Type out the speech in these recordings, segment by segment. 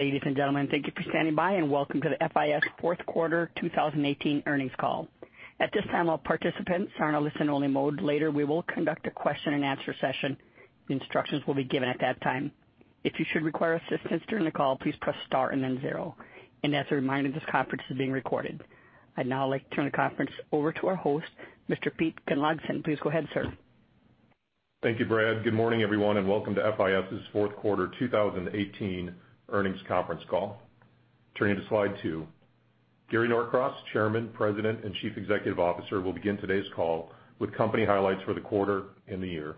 Ladies and gentlemen, thank you for standing by, and welcome to the FIS Fourth Quarter 2018 earnings call. At this time, all participants are in a listen-only mode. Later, we will conduct a question and answer session. Instructions will be given at that time. If you should require assistance during the call, please press star and then zero. As a reminder, this conference is being recorded. I'd now like to turn the conference over to our host, Mr. Pete Gunnlaugsson. Please go ahead, sir. Thank you, Brad. Good morning, everyone, and welcome to FIS' Fourth Quarter 2018 earnings conference call. Turning to slide 2. Gary Norcross, Chairman, President, and Chief Executive Officer, will begin today's call with company highlights for the quarter and the year.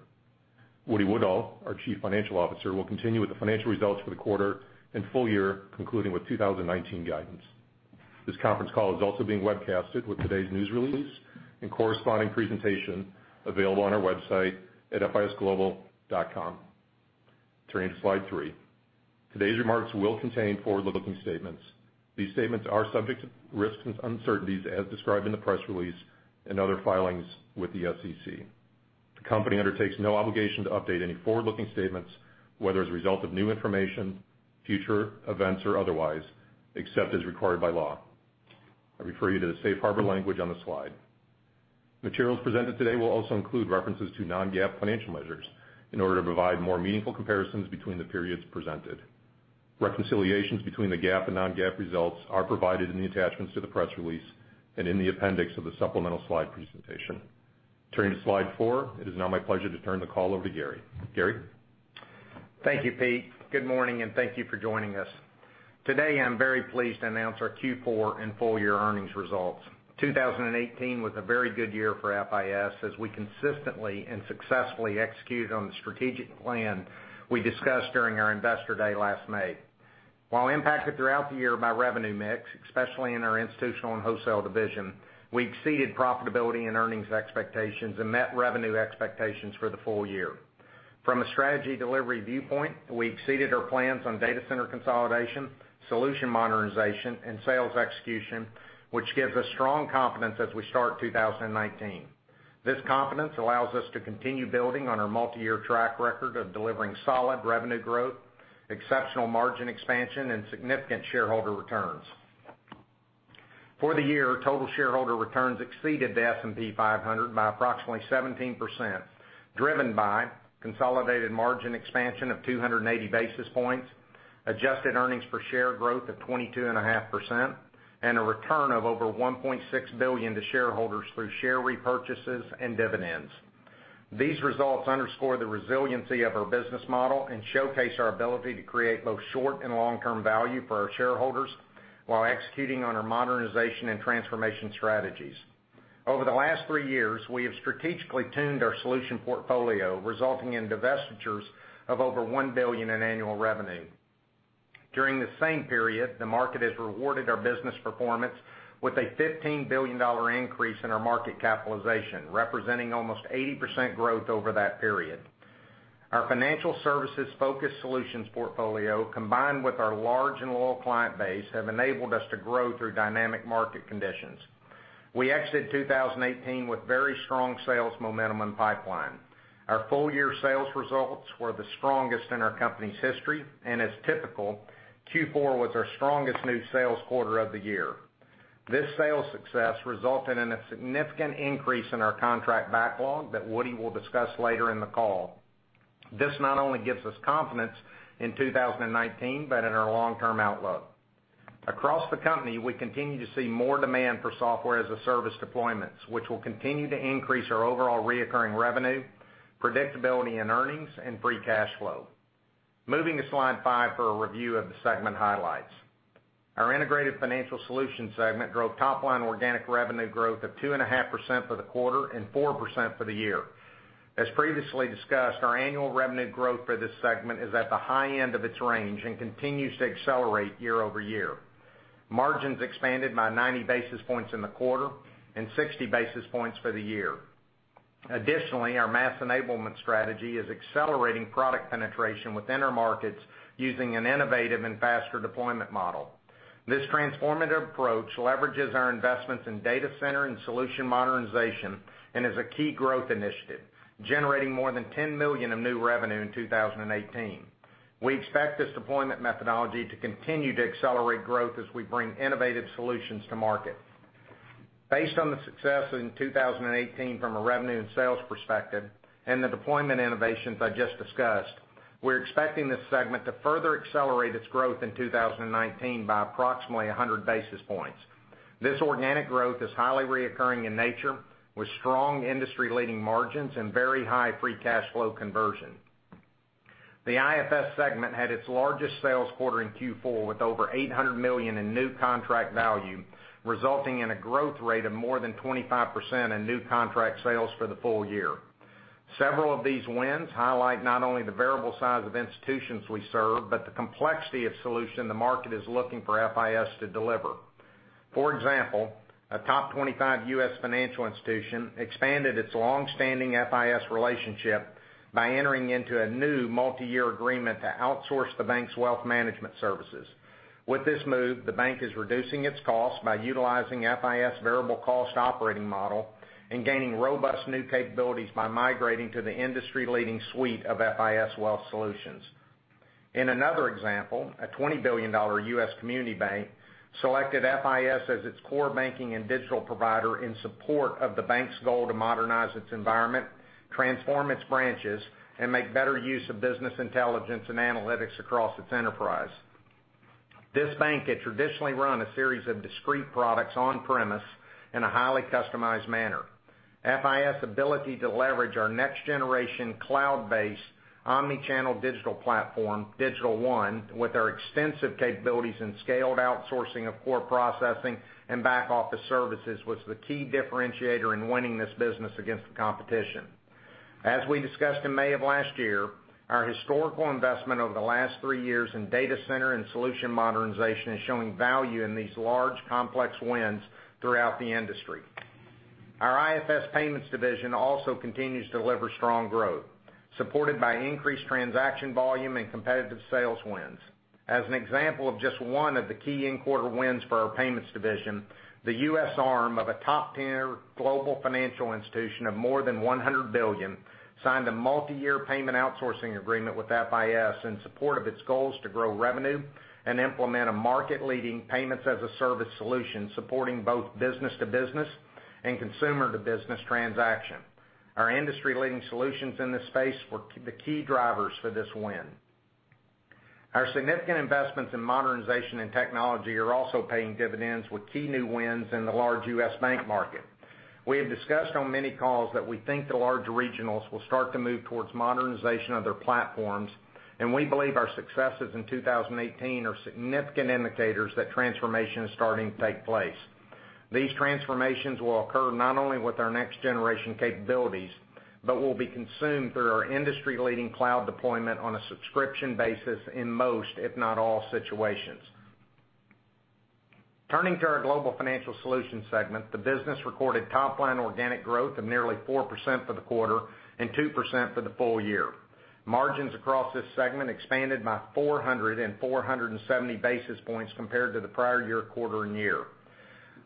James Woodall, our Chief Financial Officer, will continue with the financial results for the quarter and full year, concluding with 2019 guidance. This conference call is also being webcasted with today's news release and corresponding presentation available on our website at fisglobal.com. Turning to slide three. Today's remarks will contain forward-looking statements. These statements are subject to risks and uncertainties as described in the press release and other filings with the SEC. The company undertakes no obligation to update any forward-looking statements, whether as a result of new information, future events, or otherwise, except as required by law. I refer you to the safe harbor language on the slide. Materials presented today will also include references to non-GAAP financial measures in order to provide more meaningful comparisons between the periods presented. Reconciliations between the GAAP and non-GAAP results are provided in the attachments to the press release and in the appendix of the supplemental slide presentation. Turning to slide four. It is now my pleasure to turn the call over to Gary. Gary? Thank you, Pete. Good morning, and thank you for joining us. Today, I'm very pleased to announce our Q4 and full-year earnings results. 2018 was a very good year for FIS as we consistently and successfully executed on the strategic plan we discussed during our investor day last May. While impacted throughout the year by revenue mix, especially in our institutional and wholesale division, we exceeded profitability and earnings expectations and met revenue expectations for the full year. From a strategy delivery viewpoint, we exceeded our plans on data center consolidation, solution modernization, and sales execution, which gives us strong confidence as we start 2019. This confidence allows us to continue building on our multi-year track record of delivering solid revenue growth, exceptional margin expansion, and significant shareholder returns. For the year, total shareholder returns exceeded the S&P 500 by approximately 17%, driven by consolidated margin expansion of 280 basis points, adjusted earnings per share growth of 22.5%, and a return of over $1.6 billion to shareholders through share repurchases and dividends. These results underscore the resiliency of our business model and showcase our ability to create both short- and long-term value for our shareholders while executing on our modernization and transformation strategies. Over the last three years, we have strategically tuned our solution portfolio, resulting in divestitures of over $1 billion in annual revenue. During the same period, the market has rewarded our business performance with a $15 billion increase in our market capitalization, representing almost 80% growth over that period. Our financial services-focused solutions portfolio, combined with our large and loyal client base, have enabled us to grow through dynamic market conditions. We exited 2018 with very strong sales momentum and pipeline. Our full-year sales results were the strongest in our company's history, Q4 was our strongest new sales quarter of the year. This sales success resulted in a significant increase in our contract backlog that Woody will discuss later in the call. This not only gives us confidence in 2019 but in our long-term outlook. Across the company, we continue to see more demand for software-as-a-service deployments, which will continue to increase our overall recurring revenue, predictability in earnings, and free cash flow. Moving to slide five for a review of the segment highlights. Our Integrated Financial Solutions segment drove top-line organic revenue growth of 2.5% for the quarter and 4% for the year. As previously discussed, our annual revenue growth for this segment is at the high end of its range and continues to accelerate year-over-year. Margins expanded by 90 basis points in the quarter and 60 basis points for the year. Additionally, our mass enablement strategy is accelerating product penetration within our markets using an innovative and faster deployment model. This transformative approach leverages our investments in data center and solution modernization and is a key growth initiative, generating more than $10 million of new revenue in 2018. We expect this deployment methodology to continue to accelerate growth as we bring innovative solutions to market. Based on the success in 2018 from a revenue and sales perspective and the deployment innovations I just discussed, we're expecting this segment to further accelerate its growth in 2019 by approximately 100 basis points. This organic growth is highly recurring in nature, with strong industry-leading margins and very high free cash flow conversion. The IFS segment had its largest sales quarter in Q4, with over $800 million in new contract value, resulting in a growth rate of more than 25% in new contract sales for the full year. Several of these wins highlight not only the variable size of institutions we serve, but the complexity of solution the market is looking for FIS to deliver. For example, a top 25 U.S. financial institution expanded its longstanding FIS relationship by entering into a new multi-year agreement to outsource the bank's wealth management services. With this move, the bank is reducing its costs by utilizing FIS variable cost operating model and gaining robust new capabilities by migrating to the industry-leading suite of FIS wealth solutions. In another example, a $20 billion U.S. community bank selected FIS as its core banking and digital provider in support of the bank's goal to modernize its environment, transform its branches, and make better use of business intelligence and analytics across its enterprise. This bank had traditionally run a series of discrete products on-premise in a highly customized manner. FIS ability to leverage our next-generation, cloud-based, omni-channel digital platform, Digital One, with our extensive capabilities in scaled outsourcing of core processing and back-office services, was the key differentiator in winning this business against the competition. As we discussed in May of last year, our historical investment over the last three years in data center and solution modernization is showing value in these large, complex wins throughout the industry. Our IFS payments division also continues to deliver strong growth, supported by increased transaction volume and competitive sales wins. As an example of just one of the key in-quarter wins for our payments division, the U.S. arm of a top-tier global financial institution of more than $100 billion signed a multi-year payment outsourcing agreement with FIS in support of its goals to grow revenue and implement a market-leading payments-as-a-service solution, supporting both business-to-business and consumer-to-business transaction. Our industry-leading solutions in this space were the key drivers for this win. Our significant investments in modernization and technology are also paying dividends with key new wins in the large U.S. bank market. We have discussed on many calls that we think the large regionals will start to move towards modernization of their platforms, and we believe our successes in 2018 are significant indicators that transformation is starting to take place. These transformations will occur not only with our next-generation capabilities, but will be consumed through our industry-leading cloud deployment on a subscription basis in most, if not all situations. Turning to our Global Financial Solutions segment, the business recorded top-line organic growth of nearly 4% for the quarter and 2% for the full year. Margins across this segment expanded by 400 and 470 basis points compared to the prior year, quarter, and year.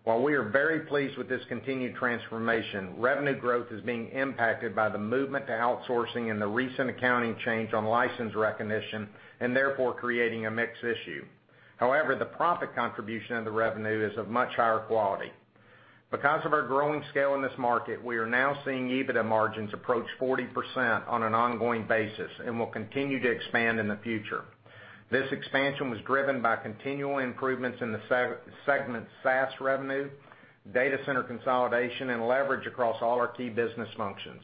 While we are very pleased with this continued transformation, revenue growth is being impacted by the movement to outsourcing and the recent accounting change on license recognition, and therefore, creating a mix issue. However, the profit contribution of the revenue is of much higher quality. Because of our growing scale in this market, we are now seeing EBITDA margins approach 40% on an ongoing basis and will continue to expand in the future. This expansion was driven by continual improvements in the segment SaaS revenue, data center consolidation, and leverage across all our key business functions.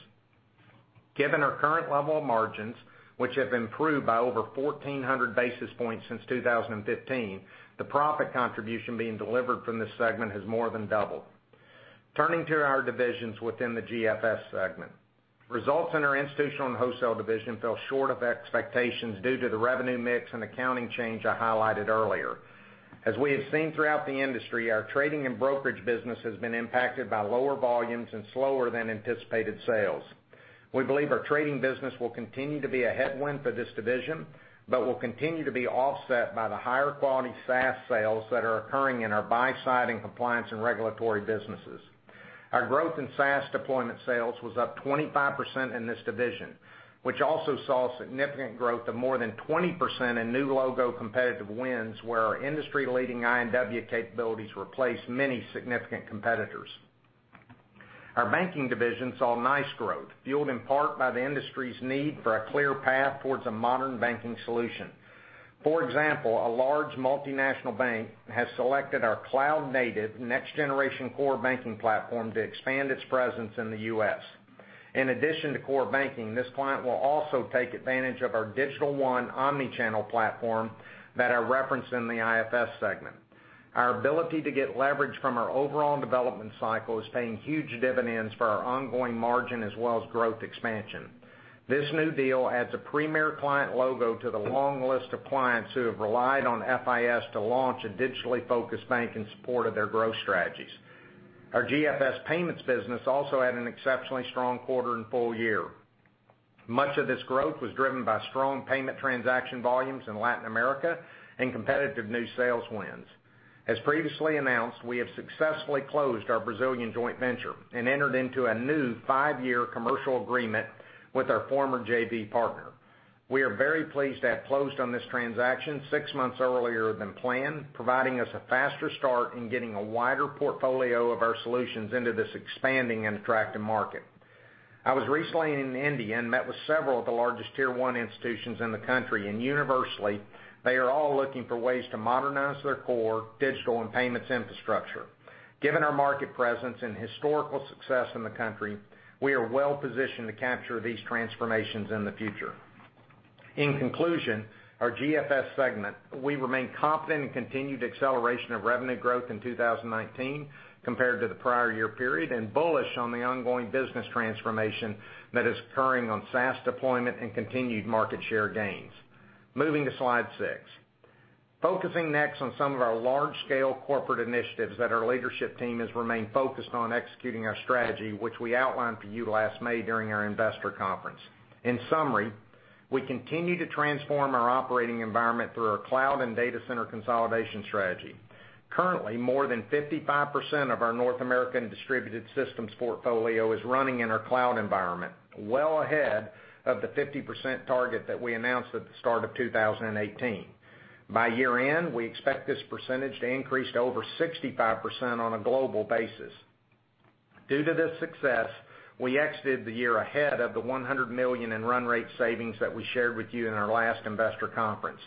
Given our current level of margins, which have improved by over 1,400 basis points since 2015, the profit contribution being delivered from this segment has more than doubled. Turning to our divisions within the GFS segment. Results in our institutional and wholesale division fell short of expectations due to the revenue mix and accounting change I highlighted earlier. As we have seen throughout the industry, our trading and brokerage business has been impacted by lower volumes and slower-than-anticipated sales. We believe our trading business will continue to be a headwind for this division, but will continue to be offset by the higher quality SaaS sales that are occurring in our buy-side and compliance and regulatory businesses. Our growth in SaaS deployment sales was up 25% in this division, which also saw significant growth of more than 20% in new logo competitive wins, where our industry-leading I&W capabilities replaced many significant competitors. Our banking division saw nice growth, fueled in part by the industry's need for a clear path towards a modern banking solution. For example, a large multinational bank has selected our cloud-native next-generation core banking platform to expand its presence in the U.S. In addition to core banking, this client will also take advantage of our Digital One omni-channel platform that I referenced in the IFS segment. Our ability to get leverage from our overall development cycle is paying huge dividends for our ongoing margin as well as growth expansion. This new deal adds a premier client logo to the long list of clients who have relied on FIS to launch a digitally-focused bank in support of their growth strategies. Our GFS payments business also had an exceptionally strong quarter and full year. Much of this growth was driven by strong payment transaction volumes in Latin America and competitive new sales wins. As previously announced, we have successfully closed our Brazilian joint venture and entered into a new five-year commercial agreement with our former JV partner. We are very pleased to have closed on this transaction six months earlier than planned, providing us a faster start in getting a wider portfolio of our solutions into this expanding and attractive market. I was recently in India and met with several of the largest Tier 1 institutions in the country. Universally, they are all looking for ways to modernize their core digital and payments infrastructure. Given our market presence and historical success in the country, we are well-positioned to capture these transformations in the future. In conclusion, our GFS segment, we remain confident in continued acceleration of revenue growth in 2019 compared to the prior year period. Bullish on the ongoing business transformation that is occurring on SaaS deployment and continued market share gains. Moving to slide six. Focusing next on some of our large-scale corporate initiatives that our leadership team has remained focused on executing our strategy, which we outlined for you last May during our investor conference. In summary, we continue to transform our operating environment through our cloud and data center consolidation strategy. Currently, more than 55% of our North American distributed systems portfolio is running in our cloud environment, well ahead of the 50% target that we announced at the start of 2018. By year-end, we expect this percentage to increase to over 65% on a global basis. Due to this success, we exited the year ahead of the $100 million in run rate savings that we shared with you in our last investor conference.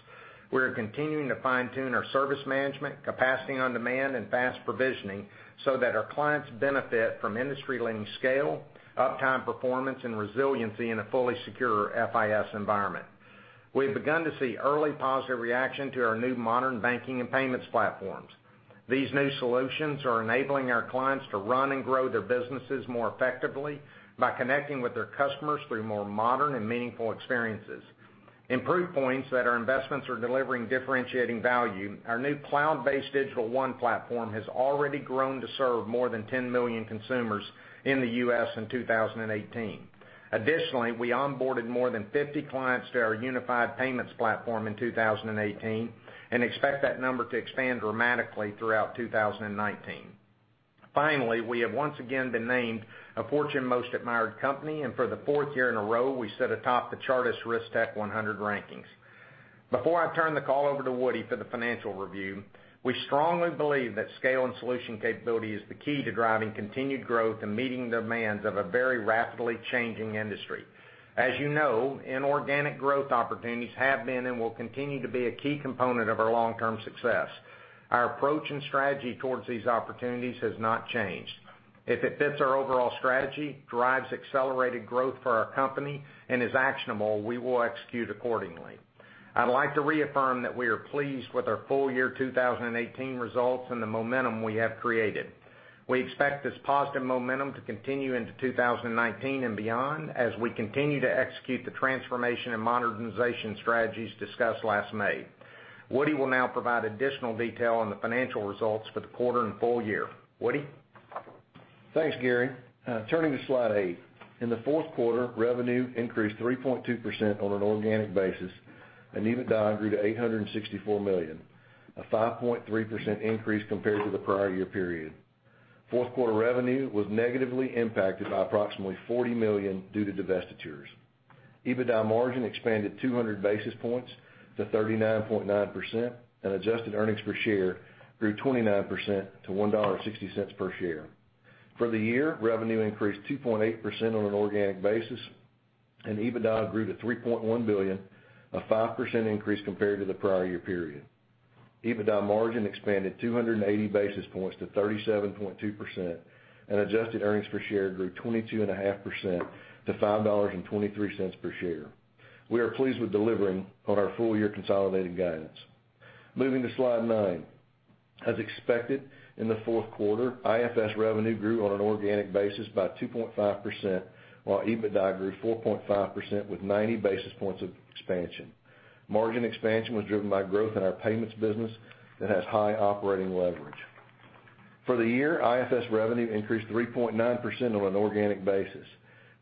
We are continuing to fine-tune our service management, capacity on demand, and fast provisioning so that our clients benefit from industry-leading scale, uptime performance, and resiliency in a fully secure FIS environment. We've begun to see early positive reaction to our new modern banking and payments platforms. These new solutions are enabling our clients to run and grow their businesses more effectively by connecting with their customers through more modern and meaningful experiences. In proof points that our investments are delivering differentiating value, our new cloud-based Digital One platform has already grown to serve more than $10 million consumers in the U.S. in 2018. Additionally, we onboarded more than 50 clients to our unified payments platform in 2018, and expect that number to expand dramatically throughout 2019. Finally, we have once again been named a Fortune Most Admired Company, and for the fourth year in a row, we sit atop the Chartis RiskTech100 rankings. Before I turn the call over to Woody for the financial review, we strongly believe that scale and solution capability is the key to driving continued growth and meeting demands of a very rapidly changing industry. As you know, inorganic growth opportunities have been and will continue to be a key component of our long-term success. Our approach and strategy towards these opportunities has not changed. If it fits our overall strategy, drives accelerated growth for our company, and is actionable, we will execute accordingly. I'd like to reaffirm that we are pleased with our full year 2018 results and the momentum we have created. We expect this positive momentum to continue into 2019 and beyond as we continue to execute the transformation and modernization strategies discussed last May. Woody will now provide additional detail on the financial results for the quarter and full year. Woody? Thanks, Gary. Turning to slide eight. In the fourth quarter, revenue increased 3.2% on an organic basis, and EBITDA grew to $864 million, a 5.3% increase compared to the prior year period. Fourth quarter revenue was negatively impacted by approximately $40 million due to divestitures. EBITDA margin expanded 200 basis points to 39.9%, and adjusted earnings per share grew 29% to $1.60 per share. For the year, revenue increased 2.8% on an organic basis, and EBITDA grew to $3.1 billion, a 5% increase compared to the prior year period. EBITDA margin expanded 280 basis points to 37.2%, and adjusted earnings per share grew 22.5% to $5.23 per share. We are pleased with delivering on our full-year consolidated guidance. Moving to slide nine. As expected, in the fourth quarter, IFS revenue grew on an organic basis by 2.5%, while EBITDA grew 4.5% with 90 basis points of expansion. Margin expansion was driven by growth in our payments business that has high operating leverage. For the year, IFS revenue increased 3.9% on an organic basis.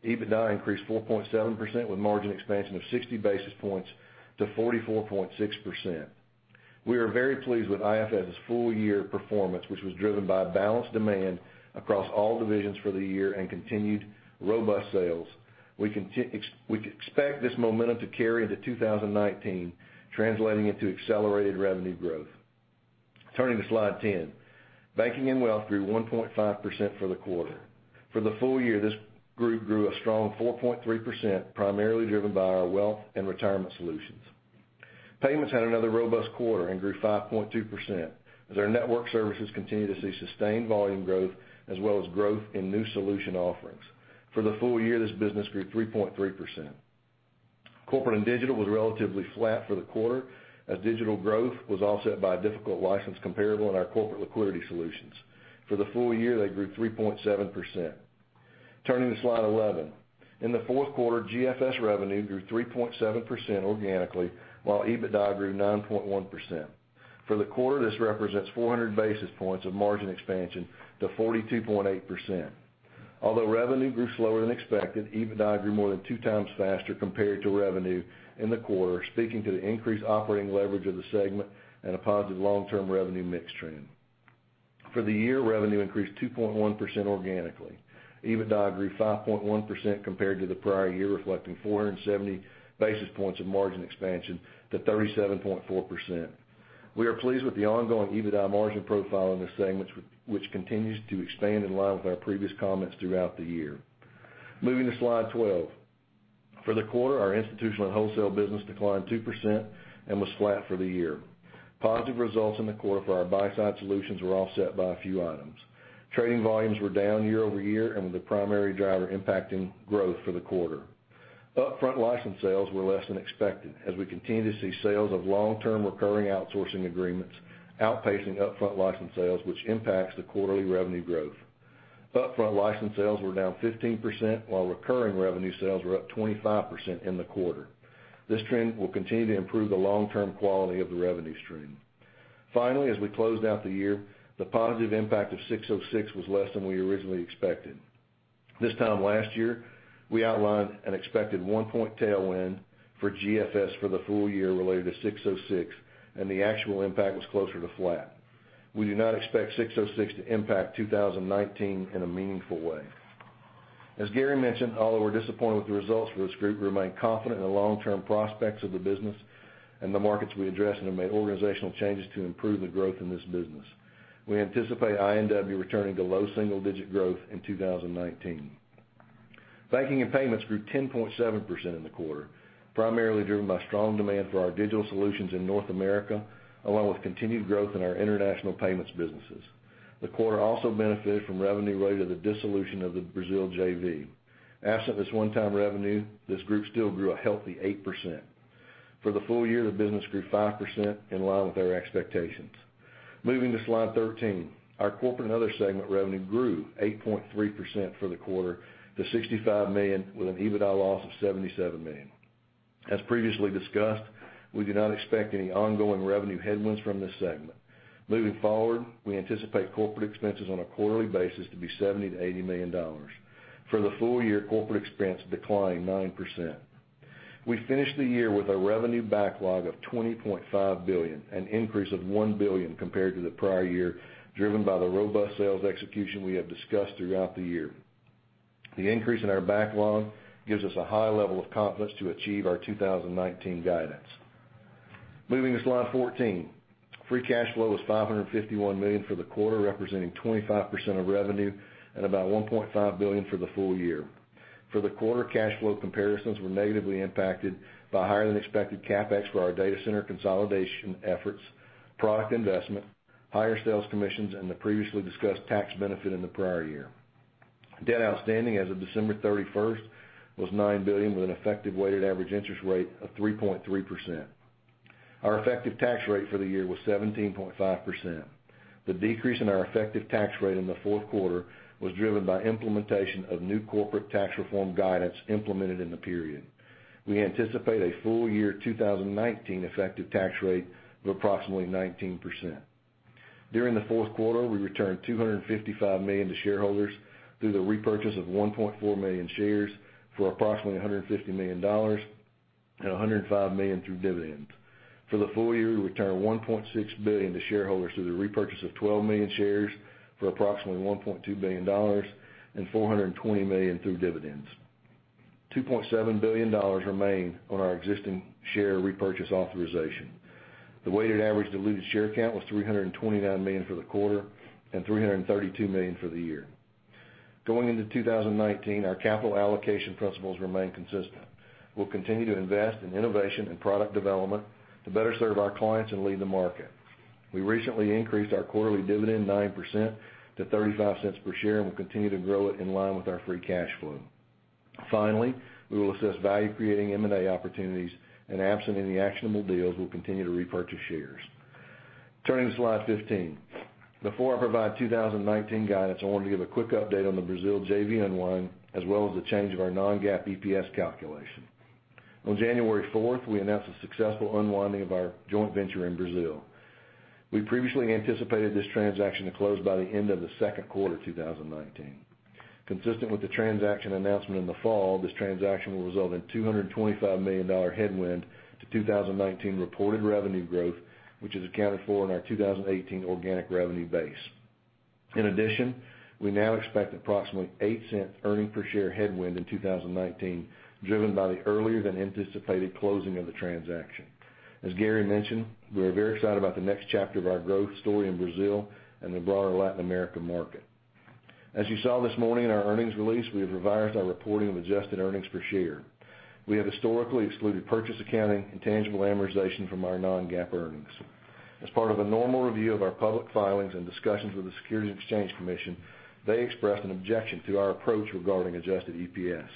EBITDA increased 4.7%, with margin expansion of 60 basis points to 44.6%. We are very pleased with IFS' full-year performance, which was driven by balanced demand across all divisions for the year and continued robust sales. We expect this momentum to carry into 2019, translating into accelerated revenue growth. Turning to slide 10. Banking and wealth grew 1.5% for the quarter. For the full year, this group grew a strong 4.3%, primarily driven by our wealth and retirement solutions. Payments had another robust quarter and grew 5.2%, as our network services continue to see sustained volume growth as well as growth in new solution offerings. For the full year, this business grew 3.3%. Corporate and Digital was relatively flat for the quarter, as Digital growth was offset by a difficult license comparable in our corporate liquidity solutions. For the full year, they grew 3.7%. Turning to slide 11. In the fourth quarter, GFS revenue grew 3.7% organically, while EBITDA grew 9.1%. For the quarter, this represents 400 basis points of margin expansion to 42.8%. Although revenue grew slower than expected, EBITDA grew more than two times faster compared to revenue in the quarter, speaking to the increased operating leverage of the segment and a positive long-term revenue mix trend. For the year, revenue increased 2.1% organically. EBITDA grew 5.1% compared to the prior year, reflecting 470 basis points of margin expansion to 37.4%. We are pleased with the ongoing EBITDA margin profile in this segment, which continues to expand in line with our previous comments throughout the year. Moving to slide 12. For the quarter, our institutional wholesale business declined 2% and was flat for the year. Positive results in the quarter for our buy-side solutions were offset by a few items. Trading volumes were down year-over-year and were the primary driver impacting growth for the quarter. Upfront license sales were less than expected as we continue to see sales of long-term recurring outsourcing agreements outpacing upfront license sales, which impacts the quarterly revenue growth. Upfront license sales were down 15%, while recurring revenue sales were up 25% in the quarter. This trend will continue to improve the long-term quality of the revenue stream. Finally, as we closed out the year, the positive impact of 606 was less than we originally expected. This time last year, we outlined an expected one-point tailwind for GFS for the full year related to 606, and the actual impact was closer to flat. We do not expect 606 to impact 2019 in a meaningful way. As Gary mentioned, although we're disappointed with the results for this group, we remain confident in the long-term prospects of the business and the markets we address, and have made organizational changes to improve the growth in this business. We anticipate I&W returning to low single-digit growth in 2019. Banking and payments grew 10.7% in the quarter, primarily driven by strong demand for our Digital solutions in North America, along with continued growth in our international payments businesses. The quarter also benefited from revenue related to the dissolution of the Brazil JV. Absent this one-time revenue, this group still grew a healthy 8%. For the full year, the business grew 5%, in line with our expectations. Moving to slide 13. Our Corporate and Other segment revenue grew 8.3% for the quarter to $65 million, with an EBITDA loss of $77 million. As previously discussed, we do not expect any ongoing revenue headwinds from this segment. Moving forward, we anticipate corporate expenses on a quarterly basis to be $70 million-$80 million. For the full year, corporate expense declined 9%. We finished the year with a revenue backlog of $20.5 billion, an increase of $1 billion compared to the prior year, driven by the robust sales execution we have discussed throughout the year. The increase in our backlog gives us a high level of confidence to achieve our 2019 guidance. Moving to slide 14. Free cash flow was $551 million for the quarter, representing 25% of revenue, and about $1.5 billion for the full year. For the quarter, cash flow comparisons were negatively impacted by higher-than-expected CapEx for our data center consolidation efforts, product investment, higher sales commissions, and the previously discussed tax benefit in the prior year. Debt outstanding as of December 31st was $9 billion, with an effective weighted average interest rate of 3.3%. Our effective tax rate for the year was 17.5%. The decrease in our effective tax rate in the fourth quarter was driven by implementation of new corporate tax reform guidance implemented in the period. We anticipate a full-year 2019 effective tax rate of approximately 19%. During the fourth quarter, we returned $255 million to shareholders through the repurchase of 1.4 million shares for approximately $150 million and $105 million through dividends. For the full year, we returned $1.6 billion to shareholders through the repurchase of 12 million shares for approximately $1.2 billion and $420 million through dividends. $2.7 billion remain on our existing share repurchase authorization. The weighted average diluted share count was 329 million for the quarter and 332 million for the year. Going into 2019, our capital allocation principles remain consistent. We'll continue to invest in innovation and product development to better serve our clients and lead the market. We recently increased our quarterly dividend 9% to $0.35 per share, and we'll continue to grow it in line with our free cash flow. Finally, we will assess value-creating M&A opportunities, and absent any actionable deals, we'll continue to repurchase shares. Turning to slide 15. Before I provide 2019 guidance, I want to give a quick update on the Brazil JV unwind, as well as the change of our non-GAAP EPS calculation. On January 4th, we announced the successful unwinding of our joint venture in Brazil. We previously anticipated this transaction to close by the end of the second quarter 2019. Consistent with the transaction announcement in the fall, this transaction will result in $225 million headwind to 2019 reported revenue growth, which is accounted for in our 2018 organic revenue base. In addition, we now expect approximately $0.08 earning per share headwind in 2019, driven by the earlier-than-anticipated closing of the transaction. As Gary mentioned, we are very excited about the next chapter of our growth story in Brazil and the broader Latin America market. As you saw this morning in our earnings release, we have revised our reporting of adjusted earnings per share. We have historically excluded purchase accounting and tangible amortization from our non-GAAP earnings. As part of a normal review of our public filings and discussions with the Securities and Exchange Commission, they expressed an objection to our approach regarding adjusted EPS.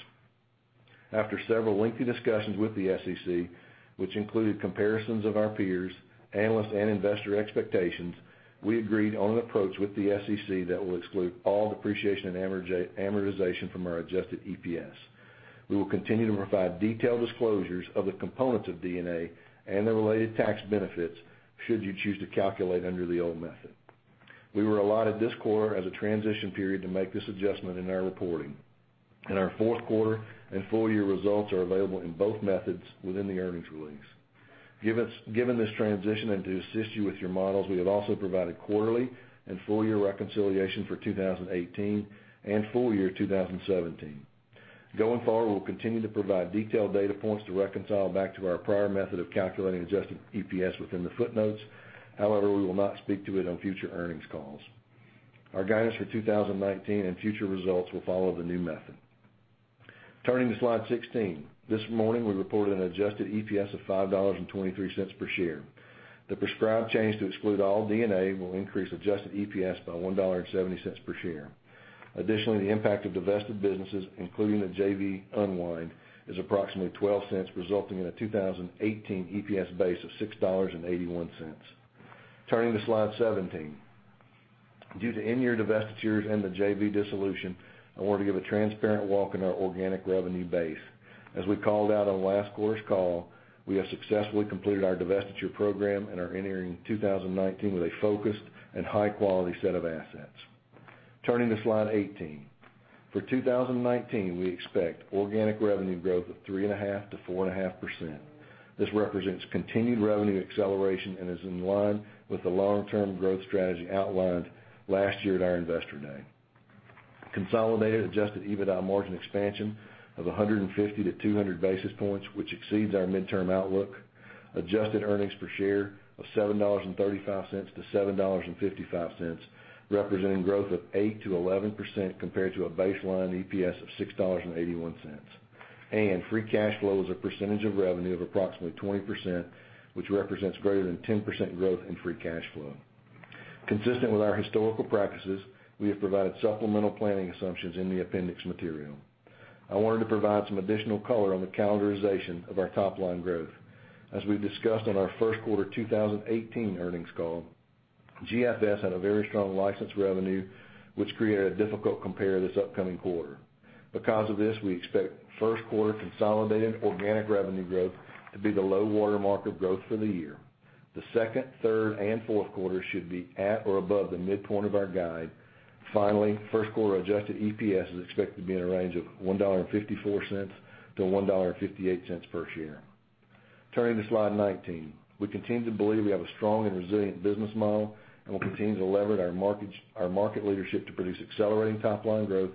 After several lengthy discussions with the SEC, which included comparisons of our peers, analysts, and investor expectations, we agreed on an approach with the SEC that will exclude all depreciation and amortization from our adjusted EPS. We will continue to provide detailed disclosures of the components of D&A and the related tax benefits should you choose to calculate under the old method. We were allotted this quarter as a transition period to make this adjustment in our reporting, and our fourth quarter and full-year results are available in both methods within the earnings release. Given this transition and to assist you with your models, we have also provided quarterly and full-year reconciliation for 2018 and full year 2017. Going forward, we'll continue to provide detailed data points to reconcile back to our prior method of calculating adjusted EPS within the footnotes. However, we will not speak to it on future earnings calls. Our guidance for 2019 and future results will follow the new method. Turning to slide 16. This morning, we reported an adjusted EPS of $5.23 per share. The prescribed change to exclude all D&A will increase adjusted EPS by $1.70 per share. Additionally, the impact of divested businesses, including the JV unwind, is approximately $0.12, resulting in a 2018 EPS base of $6.81. Turning to slide 17. Due to in-year divestitures and the JV dissolution, I want to give a transparent walk in our organic revenue base. As we called out on last quarter's call, we have successfully completed our divestiture program and are entering 2019 with a focused and high-quality set of assets. Turning to slide 18. For 2019, we expect organic revenue growth of 3.5%-4.5%. This represents continued revenue acceleration and is in line with the long-term growth strategy outlined last year at our investor day. Consolidated adjusted EBITDA margin expansion of 150 to 200 basis points, which exceeds our midterm outlook. Adjusted earnings per share of $7.35-$7.55, representing growth of 8%-11% compared to a baseline EPS of $6.81. Free cash flow as a percentage of revenue of approximately 20%, which represents greater than 10% growth in free cash flow. Consistent with our historical practices, we have provided supplemental planning assumptions in the appendix material. I wanted to provide some additional color on the calendarization of our top-line growth. As we discussed on our first quarter 2018 earnings call, GFS had a very strong license revenue, which created a difficult compare this upcoming quarter. Because of this, we expect first quarter consolidated organic revenue growth to be the low-water mark of growth for the year. The second, third, and fourth quarter should be at or above the midpoint of our guide. Finally, first quarter adjusted EPS is expected to be in a range of $1.54-$1.58 per share. Turning to slide 19. We continue to believe we have a strong and resilient business model and will continue to leverage our market leadership to produce accelerating top-line growth,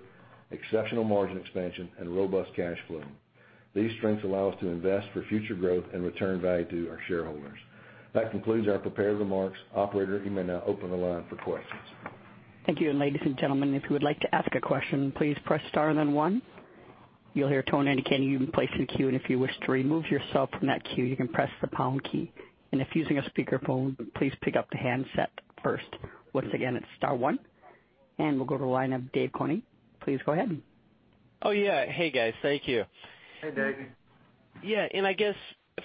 exceptional margin expansion, and robust cash flow. These strengths allow us to invest for future growth and return value to our shareholders. That concludes our prepared remarks. Operator, you may now open the line for questions. Thank you. Ladies and gentlemen, if you would like to ask a question, please press star then one. You'll hear a tone indicating you've been placed in the queue, and if you wish to remove yourself from that queue, you can press the pound key. If using a speakerphone, please pick up the handset first. Once again, it's star one. We'll go to the line of Dave Koning. Please go ahead. Oh, yeah. Hey, guys. Thank you. Hey, Dave. I guess,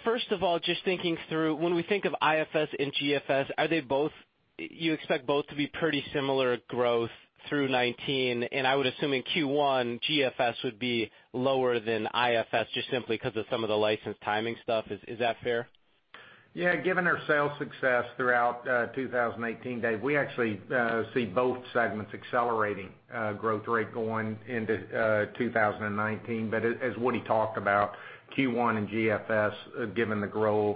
first of all, just thinking through when we think of IFS and GFS, you expect both to be pretty similar growth through 2019, and I would assume in Q1, GFS would be lower than IFS just simply because of some of the license timing stuff. Is that fair? Yeah. Given our sales success throughout 2018, Dave, we actually see both segments accelerating growth rate going into 2019. As Woody talked about, Q1 and GFS, given the grow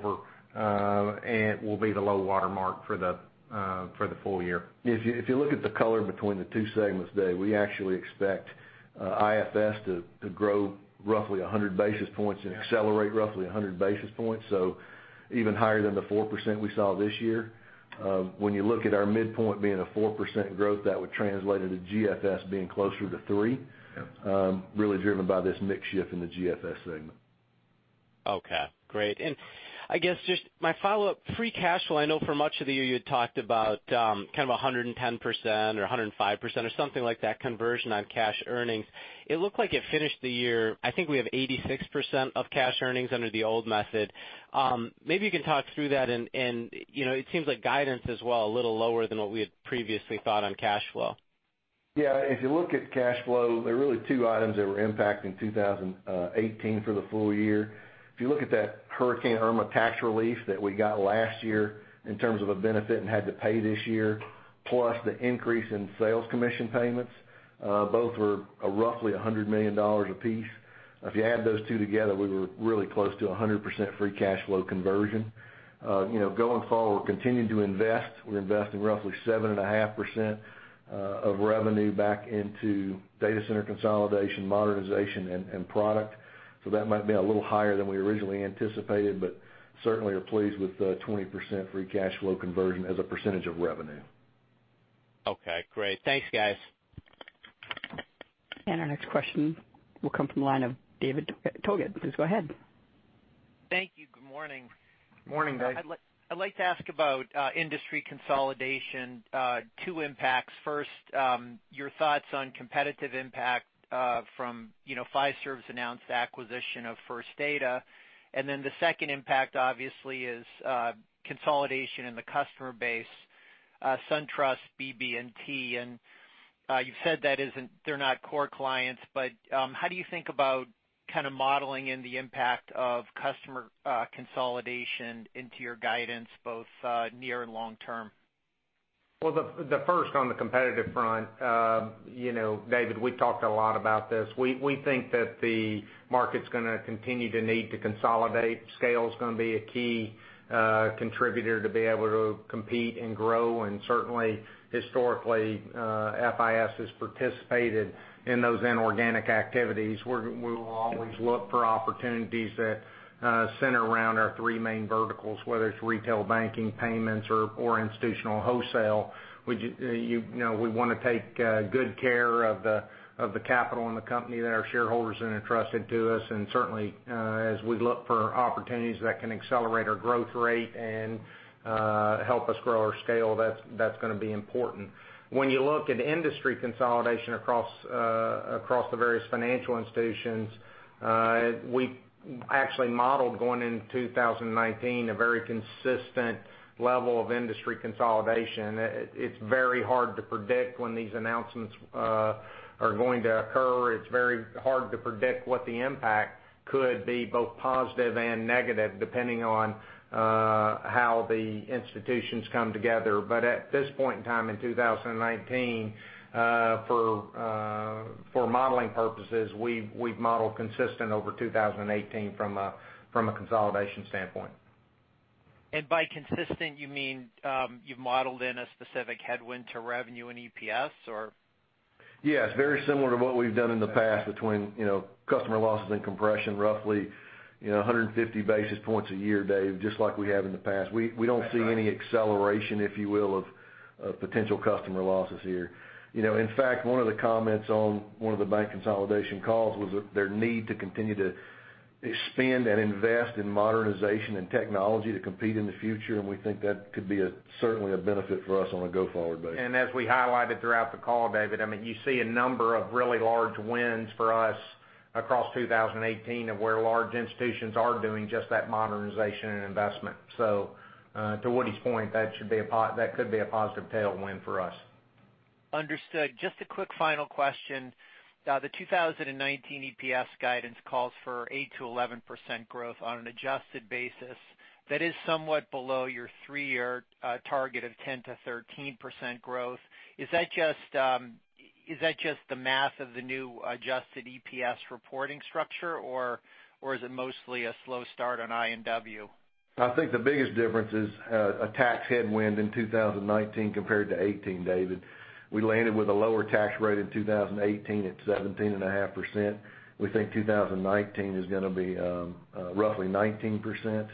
over, will be the low-water mark for the full year. If you look at the color between the two segments, Dave, we actually expect IFS to grow roughly 100 basis points and accelerate roughly 100 basis points, so even higher than the 4% we saw this year. When you look at our midpoint being a 4% growth, that would translate into GFS being closer to 3%. Yep. Really driven by this mix shift in the GFS segment. Okay, great. I guess just my follow-up, free cash flow, I know for much of the year you had talked about kind of 110% or 105% or something like that conversion on cash earnings. It looked like it finished the year, I think we have 86% of cash earnings under the old method. Maybe you can talk through that and it seems like guidance as well, a little lower than what we had previously thought on cash flow. Yeah. If you look at cash flow, there are really two items that were impacting 2018 for the full year. If you look at that Hurricane Irma tax relief that we got last year in terms of a benefit and had to pay this year, plus the increase in sales commission payments, both were roughly $100 million apiece. If you add those two together, we were really close to 100% free cash flow conversion. Going forward, we're continuing to invest. We're investing roughly 7.5% of revenue back into data center consolidation, modernization, and product. That might be a little higher than we originally anticipated, but certainly are pleased with the 20% free cash flow conversion as a percentage of revenue. Okay, great. Thanks, guys. Our next question will come from the line of David Togut. Please go ahead. Thank you. Good morning. Morning, David. I'd like to ask about industry consolidation two impacts. First, your thoughts on competitive impact from Fiserv's announced acquisition of First Data. Then the second impact obviously is consolidation in the customer base, SunTrust, BB&T, and you've said they're not core clients, but how do you think about modeling in the impact of customer consolidation into your guidance, both near and long term? Well, the first on the competitive front, David, we've talked a lot about this. We think that the market's going to continue to need to consolidate. Scale's going to be a key contributor to be able to compete and grow. Certainly, historically, FIS has participated in those inorganic activities, where we will always look for opportunities that center around our three main verticals, whether it's retail banking, payments, or institutional wholesale. We want to take good care of the capital and the company that our shareholders have entrusted to us. Certainly, as we look for opportunities that can accelerate our growth rate and help us grow our scale, that's going to be important. When you look at industry consolidation across the various financial institutions, we actually modeled going into 2019 a very consistent level of industry consolidation. It's very hard to predict when these announcements are going to occur. It's very hard to predict what the impact could be, both positive and negative, depending on how the institutions come together. At this point in time in 2019, for modeling purposes, we've modeled consistent over 2018 from a consolidation standpoint. By consistent you mean, you've modeled in a specific headwind to revenue and EPS, or? Yes, very similar to what we've done in the past between customer losses and compression, roughly 150 basis points a year, Dave, just like we have in the past. We don't see any acceleration, if you will, of potential customer losses here. In fact, one of the comments on one of the bank consolidation calls was their need to continue to spend and invest in modernization and technology to compete in the future, we think that could be certainly a benefit for us on a go-forward basis. As we highlighted throughout the call, David, you see a number of really large wins for us across 2018 of where large institutions are doing just that modernization and investment. To Woody's point, that could be a positive tailwind for us. Understood. Just a quick final question. The 2019 EPS guidance calls for 8%-11% growth on an adjusted basis. That is somewhat below your three-year target of 10%-13% growth. Is that just the math of the new adjusted EPS reporting structure, or is it mostly a slow start on I&W? I think the biggest difference is a tax headwind in 2019 compared to 2018, David. We landed with a lower tax rate in 2018 at 17.5%. We think 2019 is going to be roughly 19%.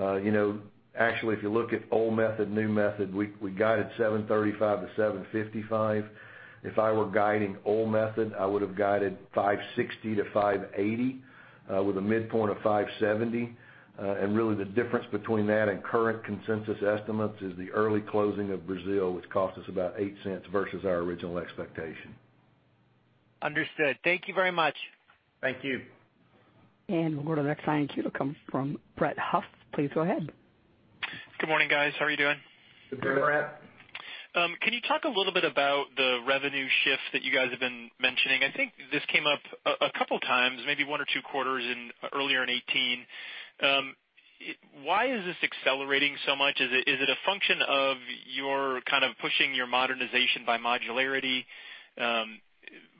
If you look at old method, new method, we guided $7.35-$7.55. If I were guiding old method, I would've guided $5.60-$5.80, with a midpoint of $5.70. Really the difference between that and current consensus estimates is the early closing of Brazil, which cost us about $0.08 versus our original expectation. Understood. Thank you very much. Thank you. We'll go to the next line. Q will come from Brett Huff. Please go ahead. Good morning, guys. How are you doing? Good morning, Brett. Can you talk a little bit about the revenue shift that you guys have been mentioning? I think this came up a couple times, maybe one or two quarters earlier in 2018. Why is this accelerating so much? Is it a function of your pushing your modernization by modularity?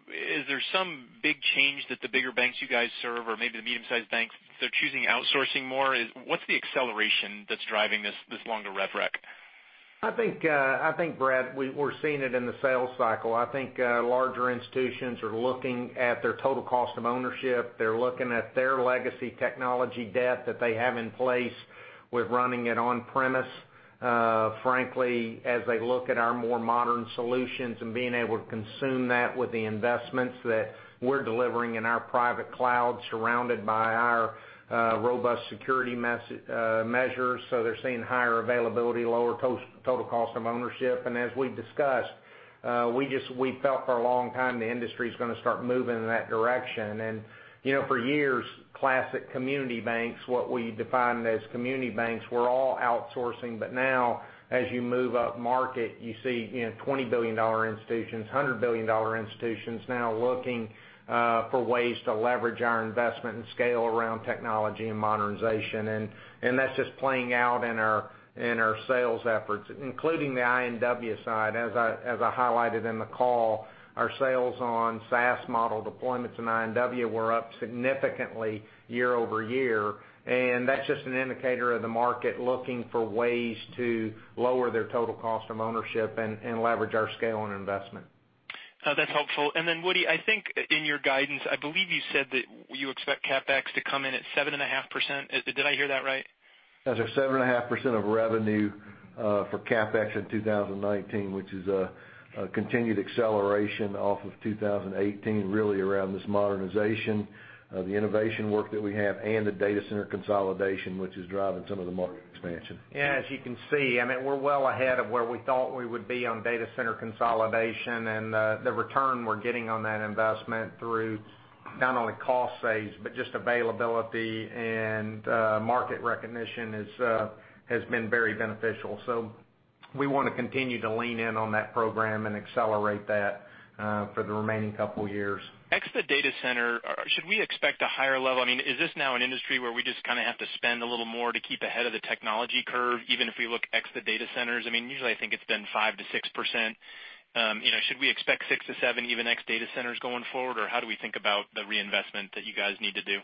Is there some big change that the bigger banks you guys serve or maybe the medium-sized banks, they're choosing outsourcing more? What's the acceleration that's driving this longer rev rec? I think, Brett, we're seeing it in the sales cycle. I think larger institutions are looking at their total cost of ownership. They're looking at their legacy technology debt that they have in place with running it on premise. Frankly, as they look at our more modern solutions and being able to consume that with the investments that we're delivering in our private cloud, surrounded by our robust security measures. They're seeing higher availability, lower total cost of ownership. As we've discussed, we felt for a long time the industry's going to start moving in that direction. For years, classic community banks, what we defined as community banks, were all outsourcing. Now, as you move up market, you see $20 billion institutions, $100 billion institutions now looking for ways to leverage our investment and scale around technology and modernization. That's just playing out in our sales efforts, including the I&W side. As I highlighted in the call, our sales on SaaS model deployments in I&W were up significantly year-over-year. That's just an indicator of the market looking for ways to lower their total cost of ownership and leverage our scale and investment. That's helpful. Woody, I think in your guidance, I believe you said that you expect CapEx to come in at 7.5%. Did I hear that right? That's at 7.5% of revenue for CapEx in 2019, which is a continued acceleration off of 2018, really around this modernization, the innovation work that we have, and the data center consolidation, which is driving some of the market expansion. Yeah, as you can see, we're well ahead of where we thought we would be on data center consolidation, and the return we're getting on that investment through not only cost saves, but just availability and market recognition has been very beneficial. We want to continue to lean in on that program and accelerate that for the remaining couple of years. Ex the data center, should we expect a higher level? Is this now an industry where we just kind of have to spend a little more to keep ahead of the technology curve, even if we look ex the data centers? Usually I think it's been 5%-6%. Should we expect 6%-7% even ex data centers going forward? How do we think about the reinvestment that you guys need to do?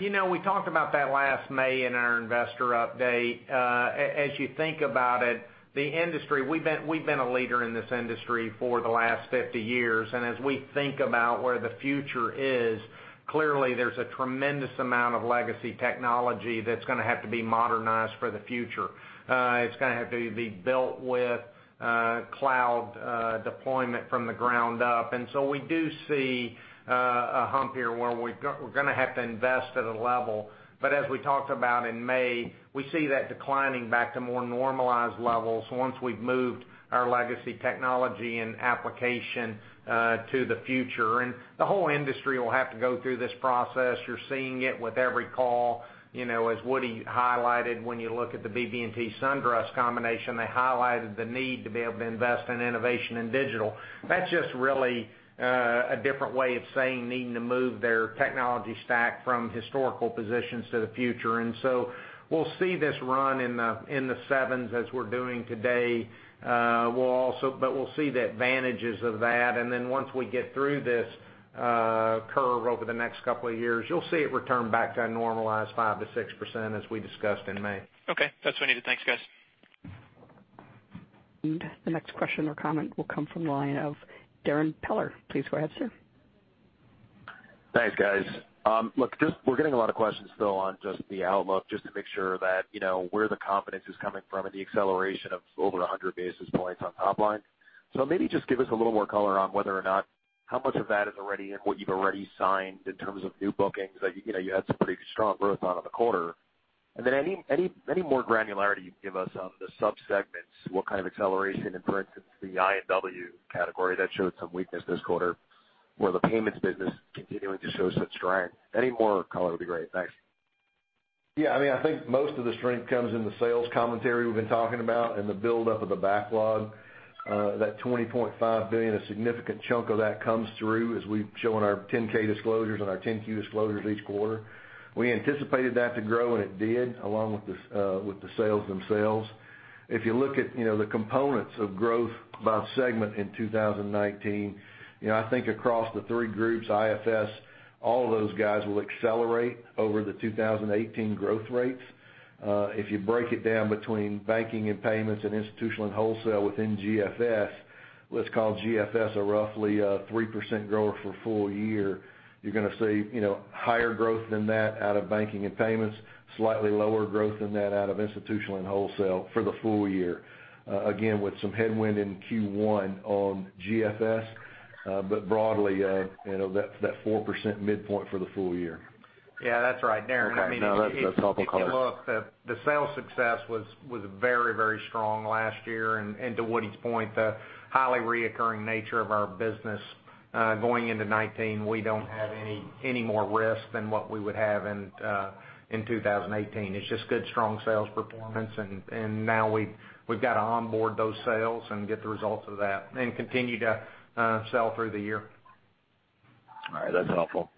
We talked about that last May in our investor update. As you think about it, we've been a leader in this industry for the last 50 years. As we think about where the future is, clearly there's a tremendous amount of legacy technology that's going to have to be modernized for the future. It's going to have to be built with cloud deployment from the ground up. We do see a hump here where we're going to have to invest at a level. As we talked about in May, we see that declining back to more normalized levels once we've moved our legacy technology and application to the future. The whole industry will have to go through this process. You're seeing it with every call. As Woody highlighted, when you look at the BB&T, SunTrust combination, they highlighted the need to be able to invest in innovation and digital. That's just really a different way of saying needing to move their technology stack from historical positions to the future. We'll see this run in the sevens as we're doing today. We'll see the advantages of that. Once we get through this curve over the next couple of years, you'll see it return back to a normalized 5%-6% as we discussed in May. Okay. That's what I needed. Thanks, guys. The next question or comment will come from the line of Darrin Peller. Please go ahead, sir. Thanks, guys. Look, we're getting a lot of questions still on just the outlook, just to make sure that, where the confidence is coming from and the acceleration of over 100 basis points on top line. Maybe just give us a little more color on whether or not how much of that is what you've already signed in terms of new bookings. You had some pretty strong growth on in the quarter. Any more granularity you can give us on the sub-segments, what kind of acceleration, and for instance, the I&W category that showed some weakness this quarter, where the payments business continuing to show such strength. Any more color would be great. Thanks. Yeah, I think most of the strength comes in the sales commentary we've been talking about and the buildup of the backlog. That $20.5 billion, a significant chunk of that comes through as we show in our 10-K disclosures and our 10-Q disclosures each quarter. We anticipated that to grow, and it did, along with the sales themselves. If you look at the components of growth by segment in 2019, I think across the three groups, IFS, all of those guys will accelerate over the 2018 growth rates. If you break it down between Banking and Payments and Institutional and Wholesale within GFS, let's call GFS a roughly 3% grower for full year, you're going to see higher growth than that out of Banking and Payments, slightly lower growth than that out of Institutional and Wholesale for the full year. Again, with some headwind in Q1 on GFS. Broadly, that 4% midpoint for the full year. Yeah, that's right, Darrin. Okay. No, that's helpful color. If you look, the sales success was very strong last year. To Woody's point, the highly reoccurring nature of our business. Going into 2019, we don't have any more risk than what we would have in 2018. It's just good, strong sales performance, and now we've got to onboard those sales and get the results of that and continue to sell through the year. All right. That's helpful.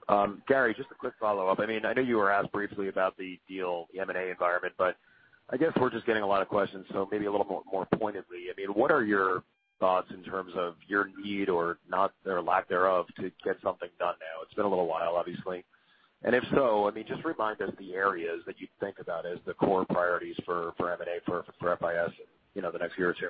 Gary, just a quick follow-up. I know you were asked briefly about the deal, the M&A environment, but I guess we're just getting a lot of questions, so maybe a little more pointedly. What are your thoughts in terms of your need or not, or lack thereof, to get something done now? It's been a little while, obviously. If so, just remind us the areas that you think about as the core priorities for M&A for FIS in the next year or two.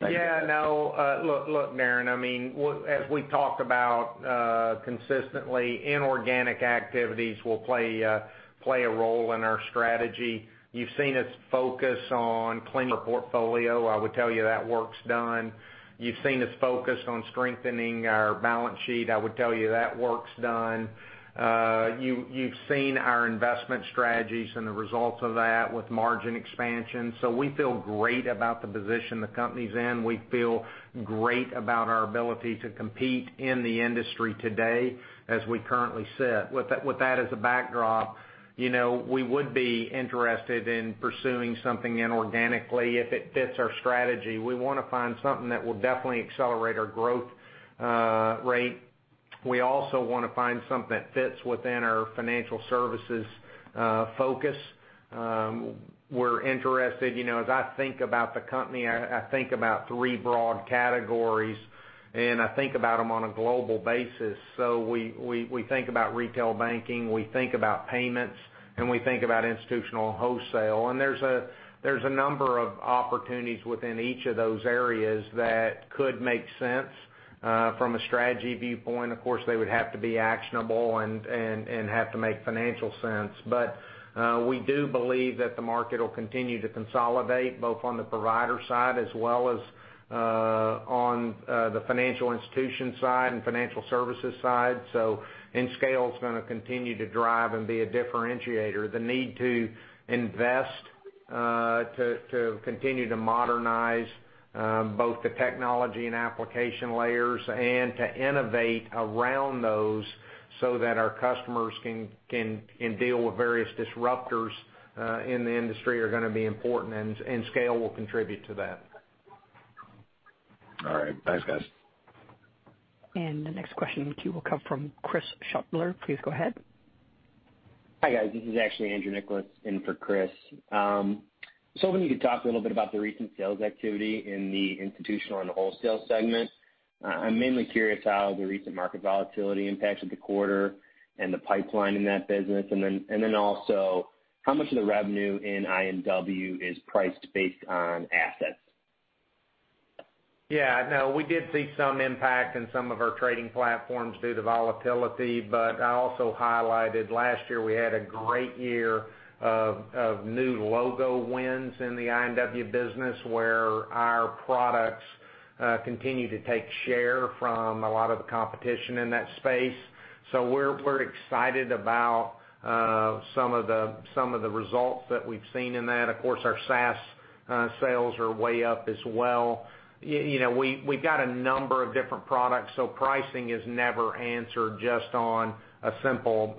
Thank you. Yeah, no. Look, Darrin, as we talk about consistently, inorganic activities will play a role in our strategy. You've seen us focus on cleaning our portfolio. I would tell you that work's done. You've seen us focus on strengthening our balance sheet. I would tell you that work's done. You've seen our investment strategies and the results of that with margin expansion. We feel great about the position the company's in. We feel great about our ability to compete in the industry today as we currently sit. With that as a backdrop, we would be interested in pursuing something inorganically if it fits our strategy. We want to find something that will definitely accelerate our growth rate. We also want to find something that fits within our financial services focus. We're interested. As I think about the company, I think about three broad categories. We think about them on a global basis. We think about retail banking, we think about payments, and we think about institutional wholesale. There's a number of opportunities within each of those areas that could make sense from a strategy viewpoint. Of course, they would have to be actionable and have to make financial sense. We do believe that the market will continue to consolidate, both on the provider side as well as on the financial institution side and financial services side. Scale is going to continue to drive and be a differentiator. The need to invest, to continue to modernize both the technology and application layers and to innovate around those so that our customers can deal with various disruptors in the industry are going to be important, and scale will contribute to that. All right. Thanks, guys. The next question in queue will come from [Chris Schoeppler]. Please go ahead. Hi, guys. This is actually Andrew Nicholas in for Chris. Just hoping you could talk a little bit about the recent sales activity in the institutional and wholesale segment. I'm mainly curious how the recent market volatility impacted the quarter and the pipeline in that business. Then also, how much of the revenue in I&W is priced based on assets? Yeah. No, we did see some impact in some of our trading platforms due to volatility, but I also highlighted last year, we had a great year of new logo wins in the I&W business, where our products continue to take share from a lot of the competition in that space. We're excited about some of the results that we've seen in that. Of course, our SaaS sales are way up as well. We've got a number of different products, so pricing is never answered just on a simple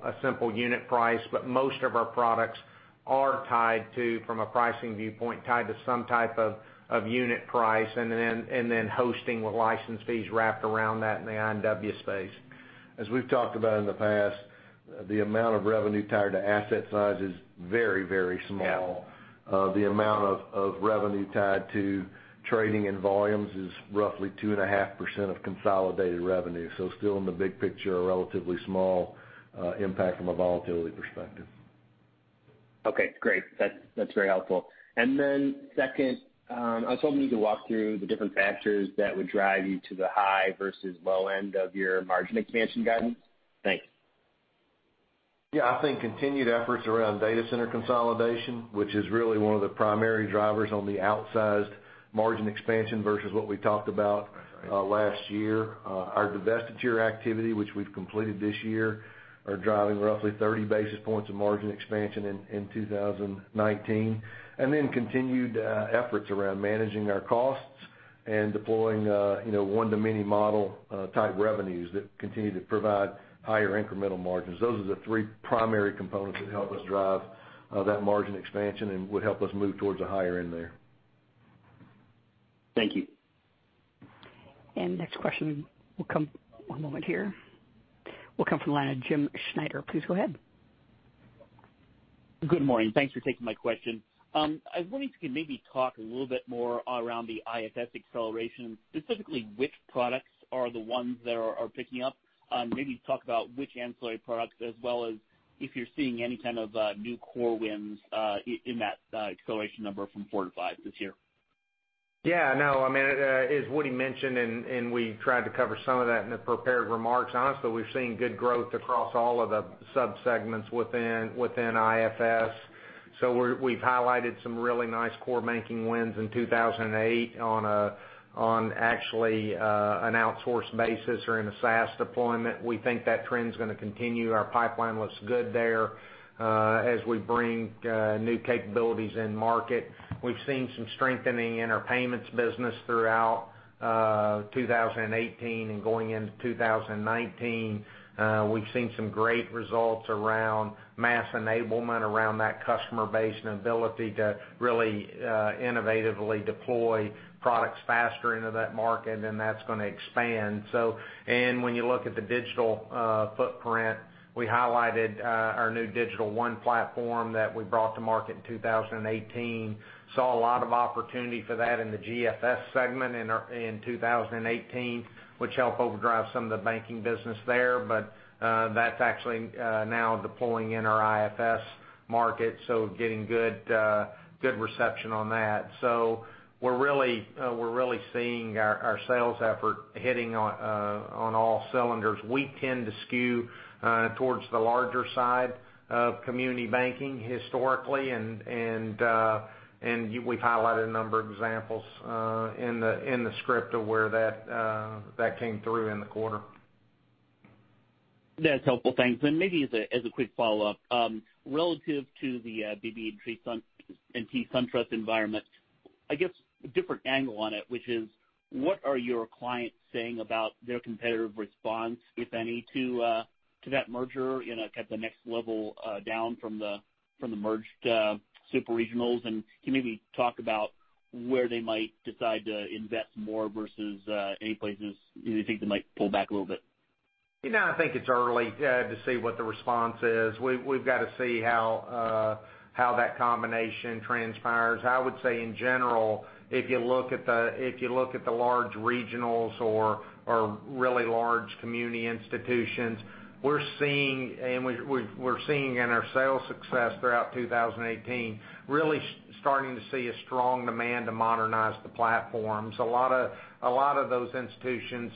unit price, but most of our products are tied to, from a pricing viewpoint, tied to some type of unit price, and then hosting with license fees wrapped around that in the I&W space. As we've talked about in the past, the amount of revenue tied to asset size is very small. Yeah. The amount of revenue tied to trading and volumes is roughly 2.5% of consolidated revenue. Still in the big picture, a relatively small impact from a volatility perspective. Okay, great. That's very helpful. Then second, I was hoping you could walk through the different factors that would drive you to the high versus low end of your margin expansion guidance. Thanks. Yeah, I think continued efforts around data center consolidation, which is really one of the primary drivers on the outsized margin expansion versus what we talked about last year. Our divestiture activity, which we've completed this year, are driving roughly 30 basis points of margin expansion in 2019. Then continued efforts around managing our costs and deploying one-to-many model type revenues that continue to provide higher incremental margins. Those are the three primary components that help us drive that margin expansion and would help us move towards the higher end there. Thank you. Next question, one moment here. Will come from the line of Jim Schneider. Please go ahead. Good morning. Thanks for taking my question. I was wondering if you could maybe talk a little bit more around the IFS acceleration, specifically which products are the ones that are picking up. Maybe talk about which ancillary products, as well as if you're seeing any kind of new core wins in that acceleration number from four to five this year. Yeah, no, as Woody mentioned, We tried to cover some of that in the prepared remarks. Honestly, we've seen good growth across all of the sub-segments within IFS. We've highlighted some really nice core banking wins in 2008 on actually an outsourced basis or in a SaaS deployment. We think that trend's going to continue. Our pipeline looks good there as we bring new capabilities in market. We've seen some strengthening in our payments business throughout 2018 and going into 2019. We've seen some great results around mass enablement, around that customer base, and ability to really innovatively deploy products faster into that market. That's going to expand. When you look at the digital footprint, we highlighted our new Digital One platform that we brought to market in 2018. Saw a lot of opportunity for that in the GFS segment in 2018, which helped overdrive some of the banking business there. That's actually now deploying in our IFS market, getting good reception on that. We're really seeing our sales effort hitting on all cylinders. We tend to skew towards the larger side of community banking historically, and we've highlighted a number of examples in the script of where that came through in the quarter. That's helpful. Thanks. Maybe as a quick follow-up. Relative to the BB&T, SunTrust environment, I guess a different angle on it, which is what are your clients saying about their competitive response, if any, to that merger at the next level down from the merged super regionals? Can you maybe talk about where they might decide to invest more versus any places you think they might pull back a little bit? I think it's early to see what the response is. We've got to see how that combination transpires. I would say in general, if you look at the large regionals or really large community institutions, we're seeing in our sales success throughout 2018, really starting to see a strong demand to modernize the platforms. A lot of those institutions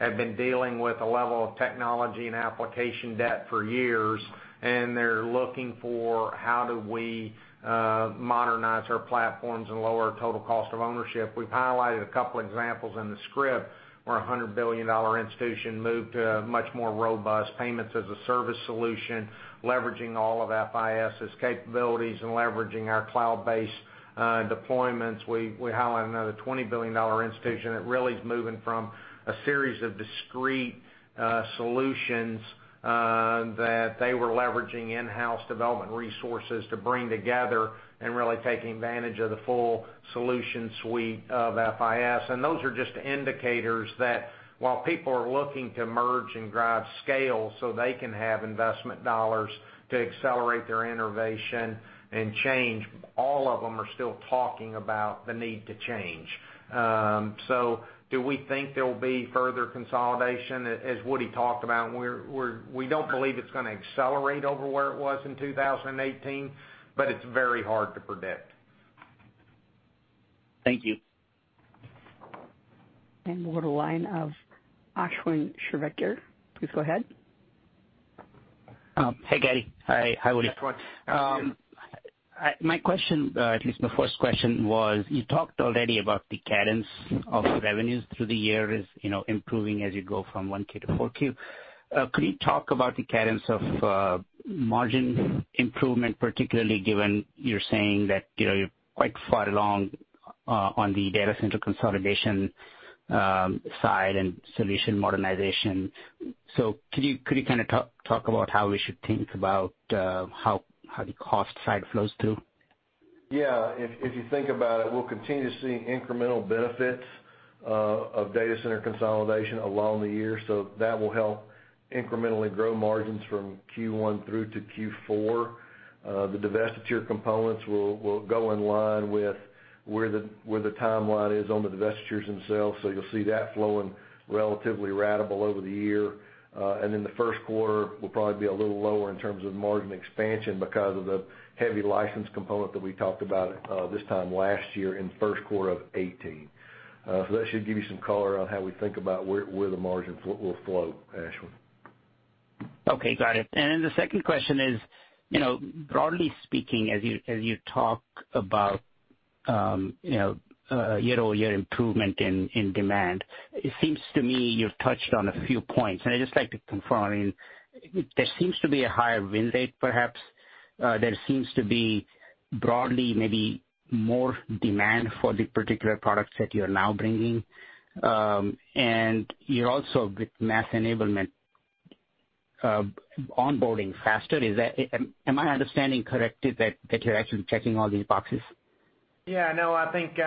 have been dealing with a level of technology and application debt for years, they're looking for how do we modernize our platforms and lower total cost of ownership. We've highlighted a couple examples in the script where a $100 billion institution moved to a much more robust payments as a service solution, leveraging all of FIS's capabilities and leveraging our cloud-based deployments. We highlight another $20 billion institution that really is moving from a series of discrete solutions that they were leveraging in-house development resources to bring together and really taking advantage of the full solution suite of FIS. Those are just indicators that while people are looking to merge and drive scale so they can have investment dollars to accelerate their innovation and change, all of them are still talking about the need to change. Do we think there'll be further consolidation? As Woody talked about, we don't believe it's going to accelerate over where it was in 2018, it's very hard to predict. Thank you. We'll go to line of Ashwin Shirvaikar. Please go ahead. Hey, Gary. Hi, Woody. Ashwin. My question, at least my first question was, you talked already about the cadence of revenues through the year is improving as you go from one quarter to 4Q. Could you talk about the cadence of margin improvement, particularly given you're saying that you're quite far along on the data center consolidation side and solution modernization. Could you talk about how we should think about how the cost side flows through? Yeah. If you think about it, we'll continue to see incremental benefits of data center consolidation along the year. That will help incrementally grow margins from Q1 through to Q4. The divestiture components will go in line with where the timeline is on the divestitures themselves. You'll see that flowing relatively ratable over the year. The first quarter will probably be a little lower in terms of margin expansion because of the heavy license component that we talked about this time last year in the first quarter of 2018. That should give you some color on how we think about where the margins will flow, Ashwin. Okay, got it. The second question is, broadly speaking, as you talk about year-over-year improvement in demand, it seems to me you've touched on a few points, and I'd just like to confirm. There seems to be a higher win rate, perhaps. There seems to be broadly, maybe more demand for the particular products that you're now bringing. You're also with mass enablement, onboarding faster. Am I understanding correctly that you're actually checking all these boxes? Yeah, no, I think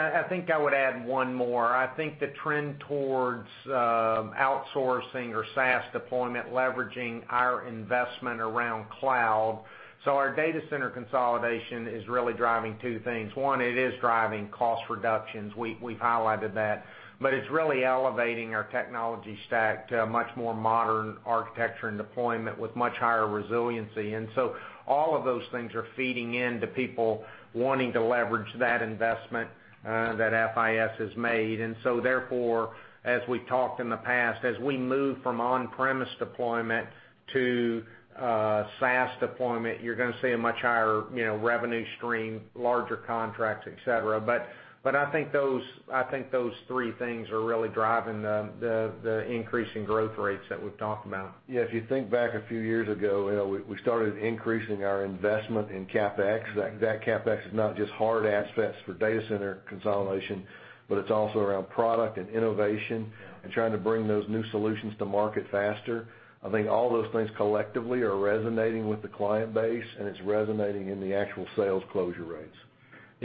I would add one more. I think the trend towards outsourcing or SaaS deployment, leveraging our investment around cloud. Our data center consolidation is really driving two things. One, it is driving cost reductions. We've highlighted that. It's really elevating our technology stack to a much more modern architecture and deployment with much higher resiliency. All of those things are feeding into people wanting to leverage that investment that FIS has made. As we've talked in the past, as we move from on-premise deployment to SaaS deployment, you're going to see a much higher revenue stream, larger contracts, et cetera. I think those three things are really driving the increase in growth rates that we've talked about. Yeah, if you think back a few years ago, we started increasing our investment in CapEx. That CapEx is not just hard assets for data center consolidation, it's also around product and innovation and trying to bring those new solutions to market faster. I think all those things collectively are resonating with the client base, it's resonating in the actual sales closure rates.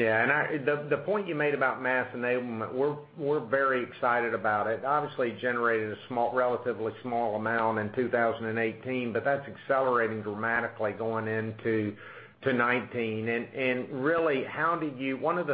Yeah, the point you made about mass enablement, we're very excited about it. Obviously, it generated a relatively small amount in 2018, but that's accelerating dramatically going into 2019. A lot of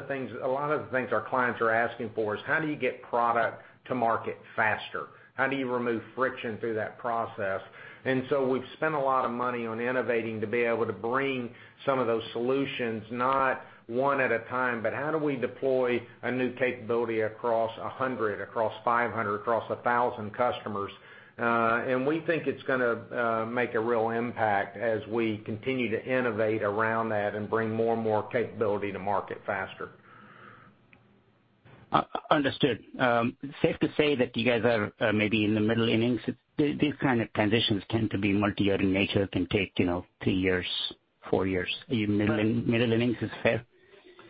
the things our clients are asking for is, how do you get product to market faster? How do you remove friction through that process? We've spent a lot of money on innovating to be able to bring some of those solutions, not one at a time, but how do we deploy a new capability across 100, across 500, across 1,000 customers? We think it's going to make a real impact as we continue to innovate around that and bring more and more capability to market faster. Understood. Safe to say that you guys are maybe in the middle innings. These kind of transitions tend to be multi-year in nature, can take two years, four years. Are you middle innings, is fair?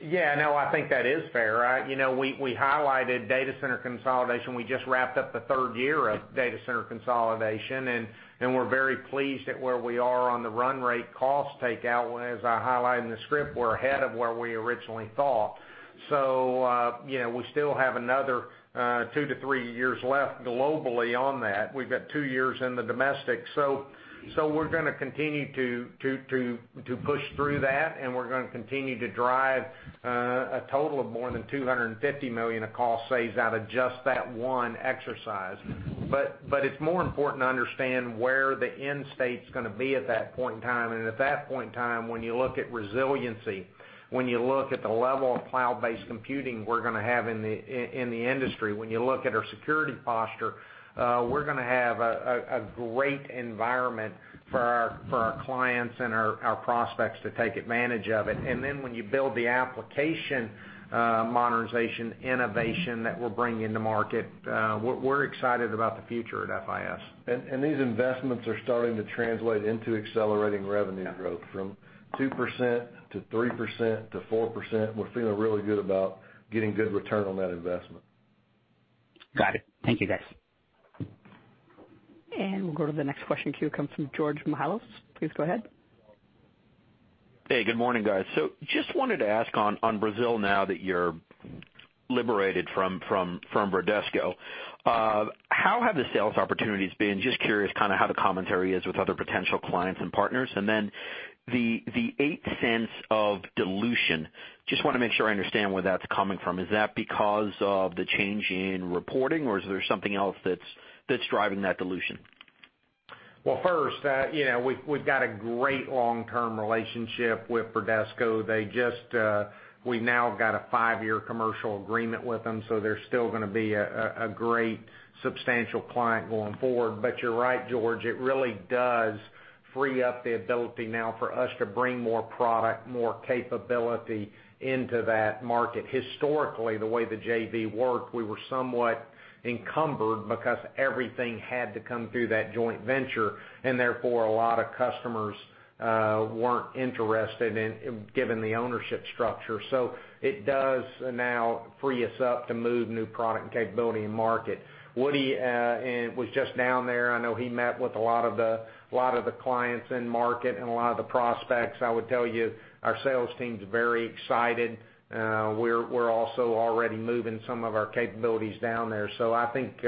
Yeah, no, I think that is fair. We highlighted data center consolidation. We just wrapped up the third year of data center consolidation, and we're very pleased at where we are on the run rate cost takeout. As I highlighted in the script, we're ahead of where we originally thought. We still have another two to three years left globally on that. We've got two years in the domestic. We're going to continue to push through that, and we're going to continue to drive a total of more than $250 million of cost saves out of just that one exercise. It's more important to understand where the end state's going to be at that point in time. At that point in time, when you look at resiliency, when you look at the level of cloud-based computing we're going to have in the industry, when you look at our security posture, we're going to have a great environment for our clients and our prospects to take advantage of it. When you build the application modernization innovation that we're bringing to market, we're excited about the future at FIS. These investments are starting to translate into accelerating revenue growth from 2% to 3% to 4%. We're feeling really good about getting good return on that investment. Got it. Thank you, guys. We'll go to the next question queue, comes from George Mihalos. Please go ahead. Hey, good morning, guys. Just wanted to ask on Brazil, now that you're liberated from Bradesco, how have the sales opportunities been? Just curious how the commentary is with other potential clients and partners. The $0.08 of dilution. Just want to make sure I understand where that's coming from. Is that because of the change in reporting, or is there something else that's driving that dilution? First, we've got a great long-term relationship with Bradesco. We've now got a five year commercial agreement with them, they're still going to be a great, substantial client going forward. You're right, George, it really does free up the ability now for us to bring more product, more capability into that market. Historically, the way the JV worked, we were somewhat encumbered because everything had to come through that joint venture, and therefore, a lot of customers weren't interested given the ownership structure. It does now free us up to move new product and capability in market. Woody was just down there. I know he met with a lot of the clients in market and a lot of the prospects. I would tell you, our sales team's very excited. We're also already moving some of our capabilities down there, I think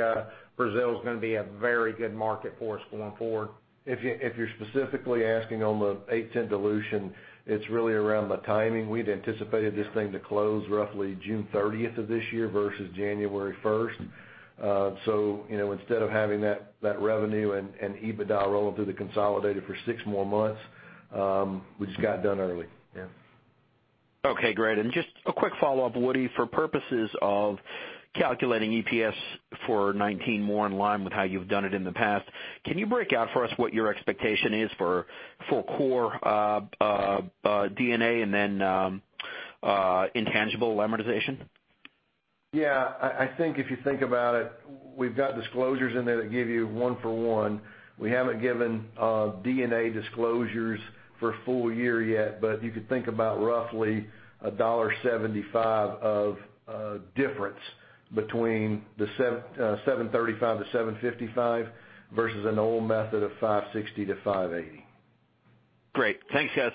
Brazil's going to be a very good market for us going forward. If you're specifically asking on the eight to 10 dilution, it's really around the timing. We'd anticipated this thing to close roughly June 30th of this year versus January 1st. Instead of having that revenue and EBITDA rolling through the consolidated for six more months, we just got it done early. Yeah. Okay, great. Just a quick follow-up, Woody, for purposes of calculating EPS for 2019 more in line with how you've done it in the past, can you break out for us what your expectation is for core D&A and then intangible amortization? Yeah. I think if you think about it, we've got disclosures in there that give you one for one. We haven't given D&A disclosures for a full year yet, but you could think about roughly $1.75 of difference between the $735-$755 versus an old method of $560-$580. Great. Thanks, guys.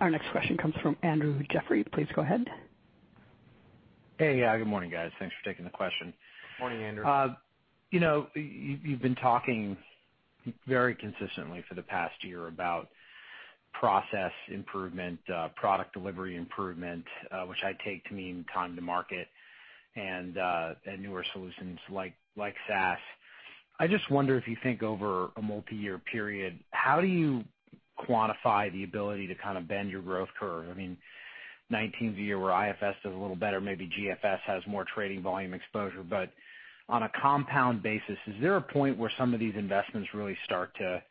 Our next question comes from Andrew Jeffrey. Please go ahead. Hey. Yeah, good morning, guys. Thanks for taking the question. Morning, Andrew. You've been talking very consistently for the past year about process improvement, product delivery improvement, which I take to mean time to market and newer solutions like SaaS. I mean, if you think over a multi-year period, how do you quantify the ability to kind of bend your growth curve? I mean, 2019 is a year where IFS does a little better, maybe GFS has more trading volume exposure. On a compound basis, is there a point where some of these investments really start to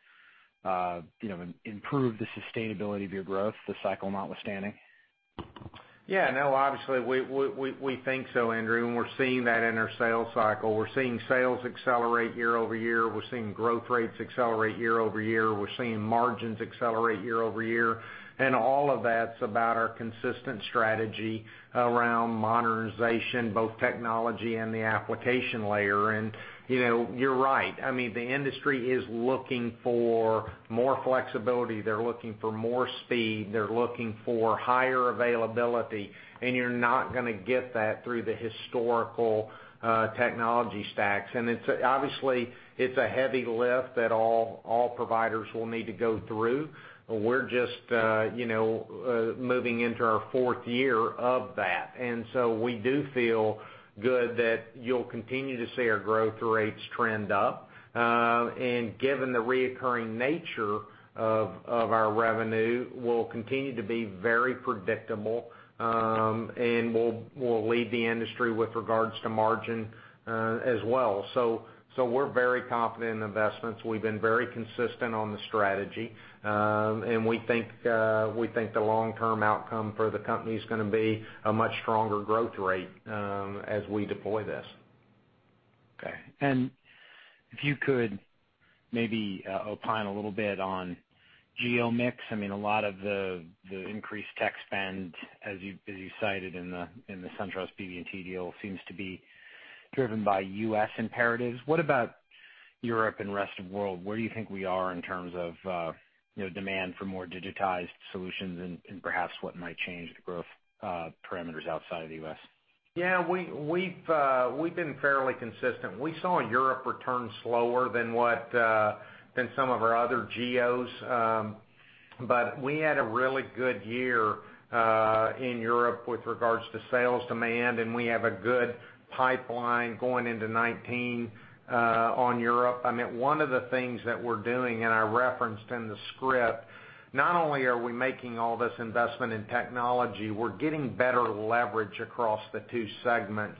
improve the sustainability of your growth, the cycle notwithstanding? Yeah. No, obviously, we think so, Andrew, we're seeing that in our sales cycle. We're seeing sales accelerate year-over-year. We're seeing growth rates accelerate year-over-year. We're seeing margins accelerate year-over-year. All of that's about our consistent strategy around modernization, both technology and the application layer. You're right. I mean, the industry is looking for more flexibility. They're looking for more speed. They're looking for higher availability. You're not going to get that through the historical technology stacks. Obviously, it's a heavy lift that all providers will need to go through. We're just moving into our fourth year of that. We do feel good that you'll continue to see our growth rates trend up. Given the reoccurring nature of our revenue, we'll continue to be very predictable, and we'll lead the industry with regards to margin as well. We're very confident in investments. We've been very consistent on the strategy. We think the long-term outcome for the company is going to be a much stronger growth rate as we deploy this. Okay. If you could maybe opine a little bit on geo mix. I mean, a lot of the increased tech spend, as you cited in the SunTrust, BB&T deal, seems to be driven by U.S. imperatives. What about Europe and rest of world? Where do you think we are in terms of demand for more digitized solutions and perhaps what might change the growth parameters outside of the U.S.? Yeah. We've been fairly consistent. We saw Europe return slower than some of our other geos. We had a really good year in Europe with regards to sales demand, and we have a good pipeline going into 2019 on Europe. One of the things that we're doing, and I referenced in the script, not only are we making all this investment in technology, we're getting better leverage across the two segments.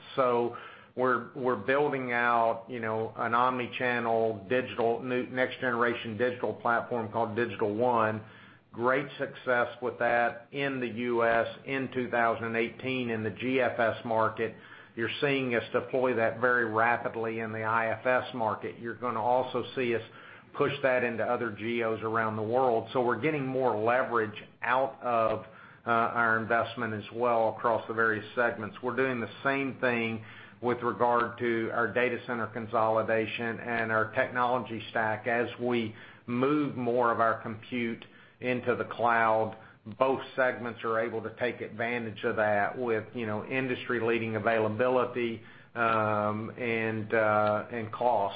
We're building out an omni-channel next generation digital platform called Digital One. Great success with that in the U.S. in 2018 in the GFS market. You're seeing us deploy that very rapidly in the IFS market. You're going to also see us push that into other geos around the world. We're getting more leverage out of our investment as well across the various segments. We're doing the same thing with regard to our data center consolidation and our technology stack. As we move more of our compute into the cloud, both segments are able to take advantage of that with industry-leading availability and cost.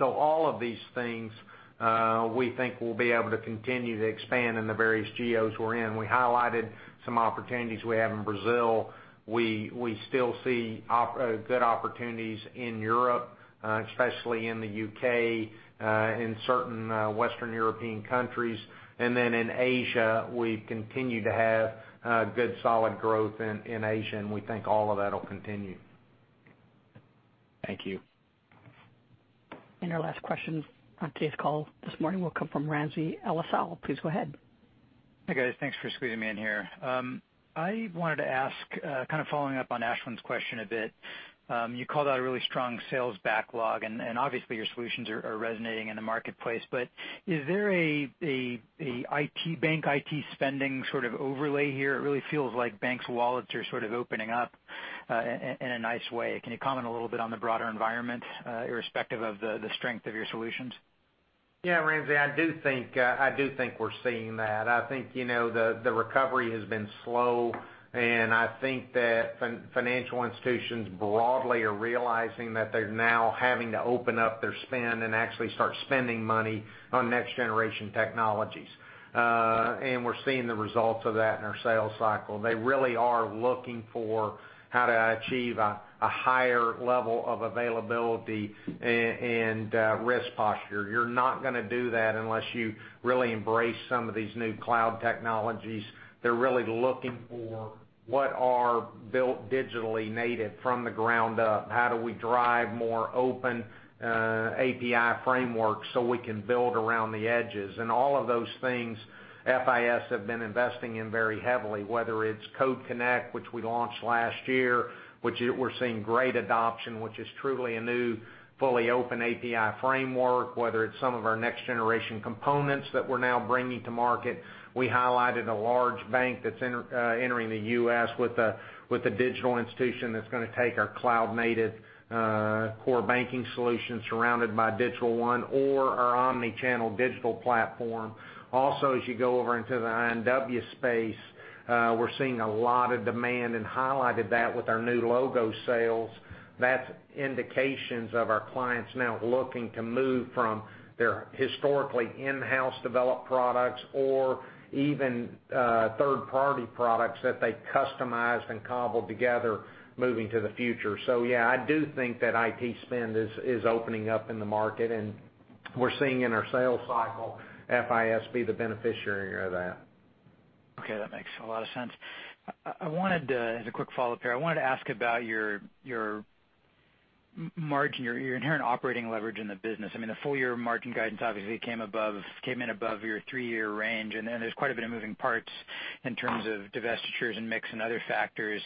All of these things, we think we'll be able to continue to expand in the various geos we're in. We highlighted some opportunities we have in Brazil. We still see good opportunities in Europe, especially in the U.K., in certain Western European countries. In Asia, we continue to have good, solid growth in Asia, and we think all of that'll continue. Thank you. Our last question on today's call this morning will come from Ramsey El-Assal. Please go ahead. Hi, guys. Thanks for squeezing me in here. I wanted to ask, kind of following up on Ashwin's question a bit. You called out a really strong sales backlog, and obviously your solutions are resonating in the marketplace. Is there a bank IT spending sort of overlay here? It really feels like banks' wallets are sort of opening up in a nice way. Can you comment a little bit on the broader environment, irrespective of the strength of your solutions? Yeah, Ramsey, I do think we're seeing that. I think the recovery has been slow, and I think that financial institutions broadly are realizing that they're now having to open up their spend and actually start spending money on next-generation technologies. We're seeing the results of that in our sales cycle. They really are looking for how to achieve a higher level of availability and risk posture. You're not going to do that unless you really embrace some of these new cloud technologies. They're really looking for what are built digitally native from the ground up. How do we drive more open API frameworks so we can build around the edges? All of those things FIS have been investing in very heavily, whether it's Code Connect, which we launched last year, which we're seeing great adoption, which is truly a new, fully open API framework, whether it's some of our next-generation components that we're now bringing to market. We highlighted a large bank that's entering the U.S. with a digital institution that's going to take our cloud-native core banking solution surrounded by Digital One or our omni-channel digital platform. Also, as you go over into the I&W space, we're seeing a lot of demand and highlighted that with our new logo sales. That's indications of our clients now looking to move from their historically in-house developed products or even third-party products that they customized and cobbled together moving to the future. Yeah, I do think that IT spend is opening up in the market, and we're seeing in our sales cycle FIS be the beneficiary of that. Okay. That makes a lot of sense. As a quick follow-up here, I wanted to ask about your margin, your inherent operating leverage in the business. I mean, the full-year margin guidance obviously came in above your three-year range. Then there's quite a bit of moving parts in terms of divestitures and mix and other factors.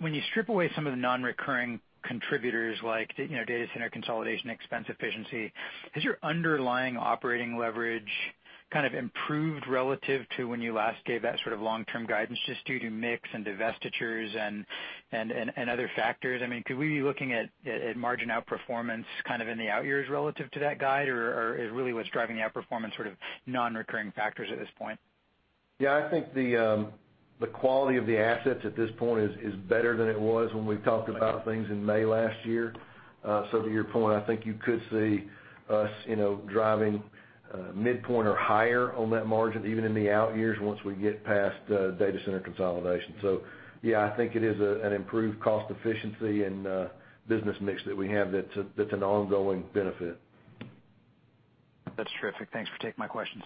When you strip away some of the non-recurring contributors like data center consolidation, expense efficiency, has your underlying operating leverage kind of improved relative to when you last gave that sort of long-term guidance, just due to mix and divestitures and other factors? Could we be looking at margin outperformance kind of in the out years relative to that guide, or is really what's driving the outperformance sort of non-recurring factors at this point? Yeah, I think the quality of the assets at this point is better than it was when we talked about things in May last year. To your point, I think you could see us driving midpoint or higher on that margin, even in the out years once we get past data center consolidation. Yeah, I think it is an improved cost efficiency and business mix that we have that's an ongoing benefit. That's terrific. Thanks for taking my questions.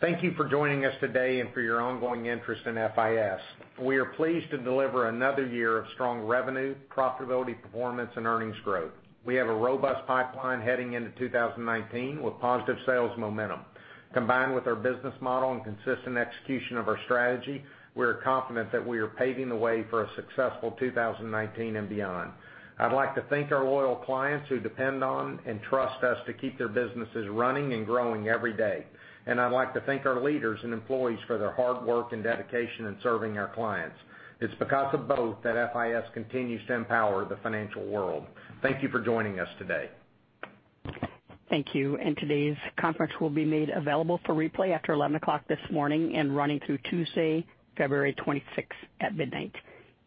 Thank you for joining us today and for your ongoing interest in FIS. We are pleased to deliver another year of strong revenue, profitability performance, and earnings growth. We have a robust pipeline heading into 2019 with positive sales momentum. Combined with our business model and consistent execution of our strategy, we are confident that we are paving the way for a successful 2019 and beyond. I'd like to thank our loyal clients who depend on and trust us to keep their businesses running and growing every day. I'd like to thank our leaders and employees for their hard work and dedication in serving our clients. It's because of both that FIS continues to empower the financial world. Thank you for joining us today. Thank you. Today's conference will be made available for replay after 11:00 A.M. This morning and running through Tuesday, February 26th at midnight.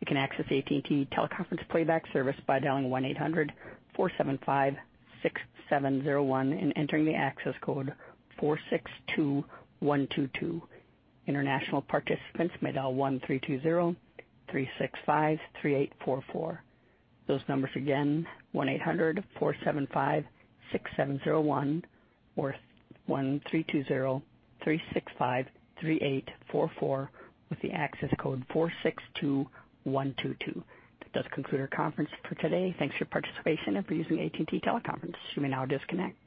You can access AT&T teleconference playback service by dialing 1-800-475-6701 and entering the access code 462122. International participants may dial 1-320-365-3844. Those numbers again, 1-800-475-6701 or 1-320-365-3844 with the access code 462122. This does conclude our conference for today. Thanks for participation and for using AT&T teleconference. You may now disconnect.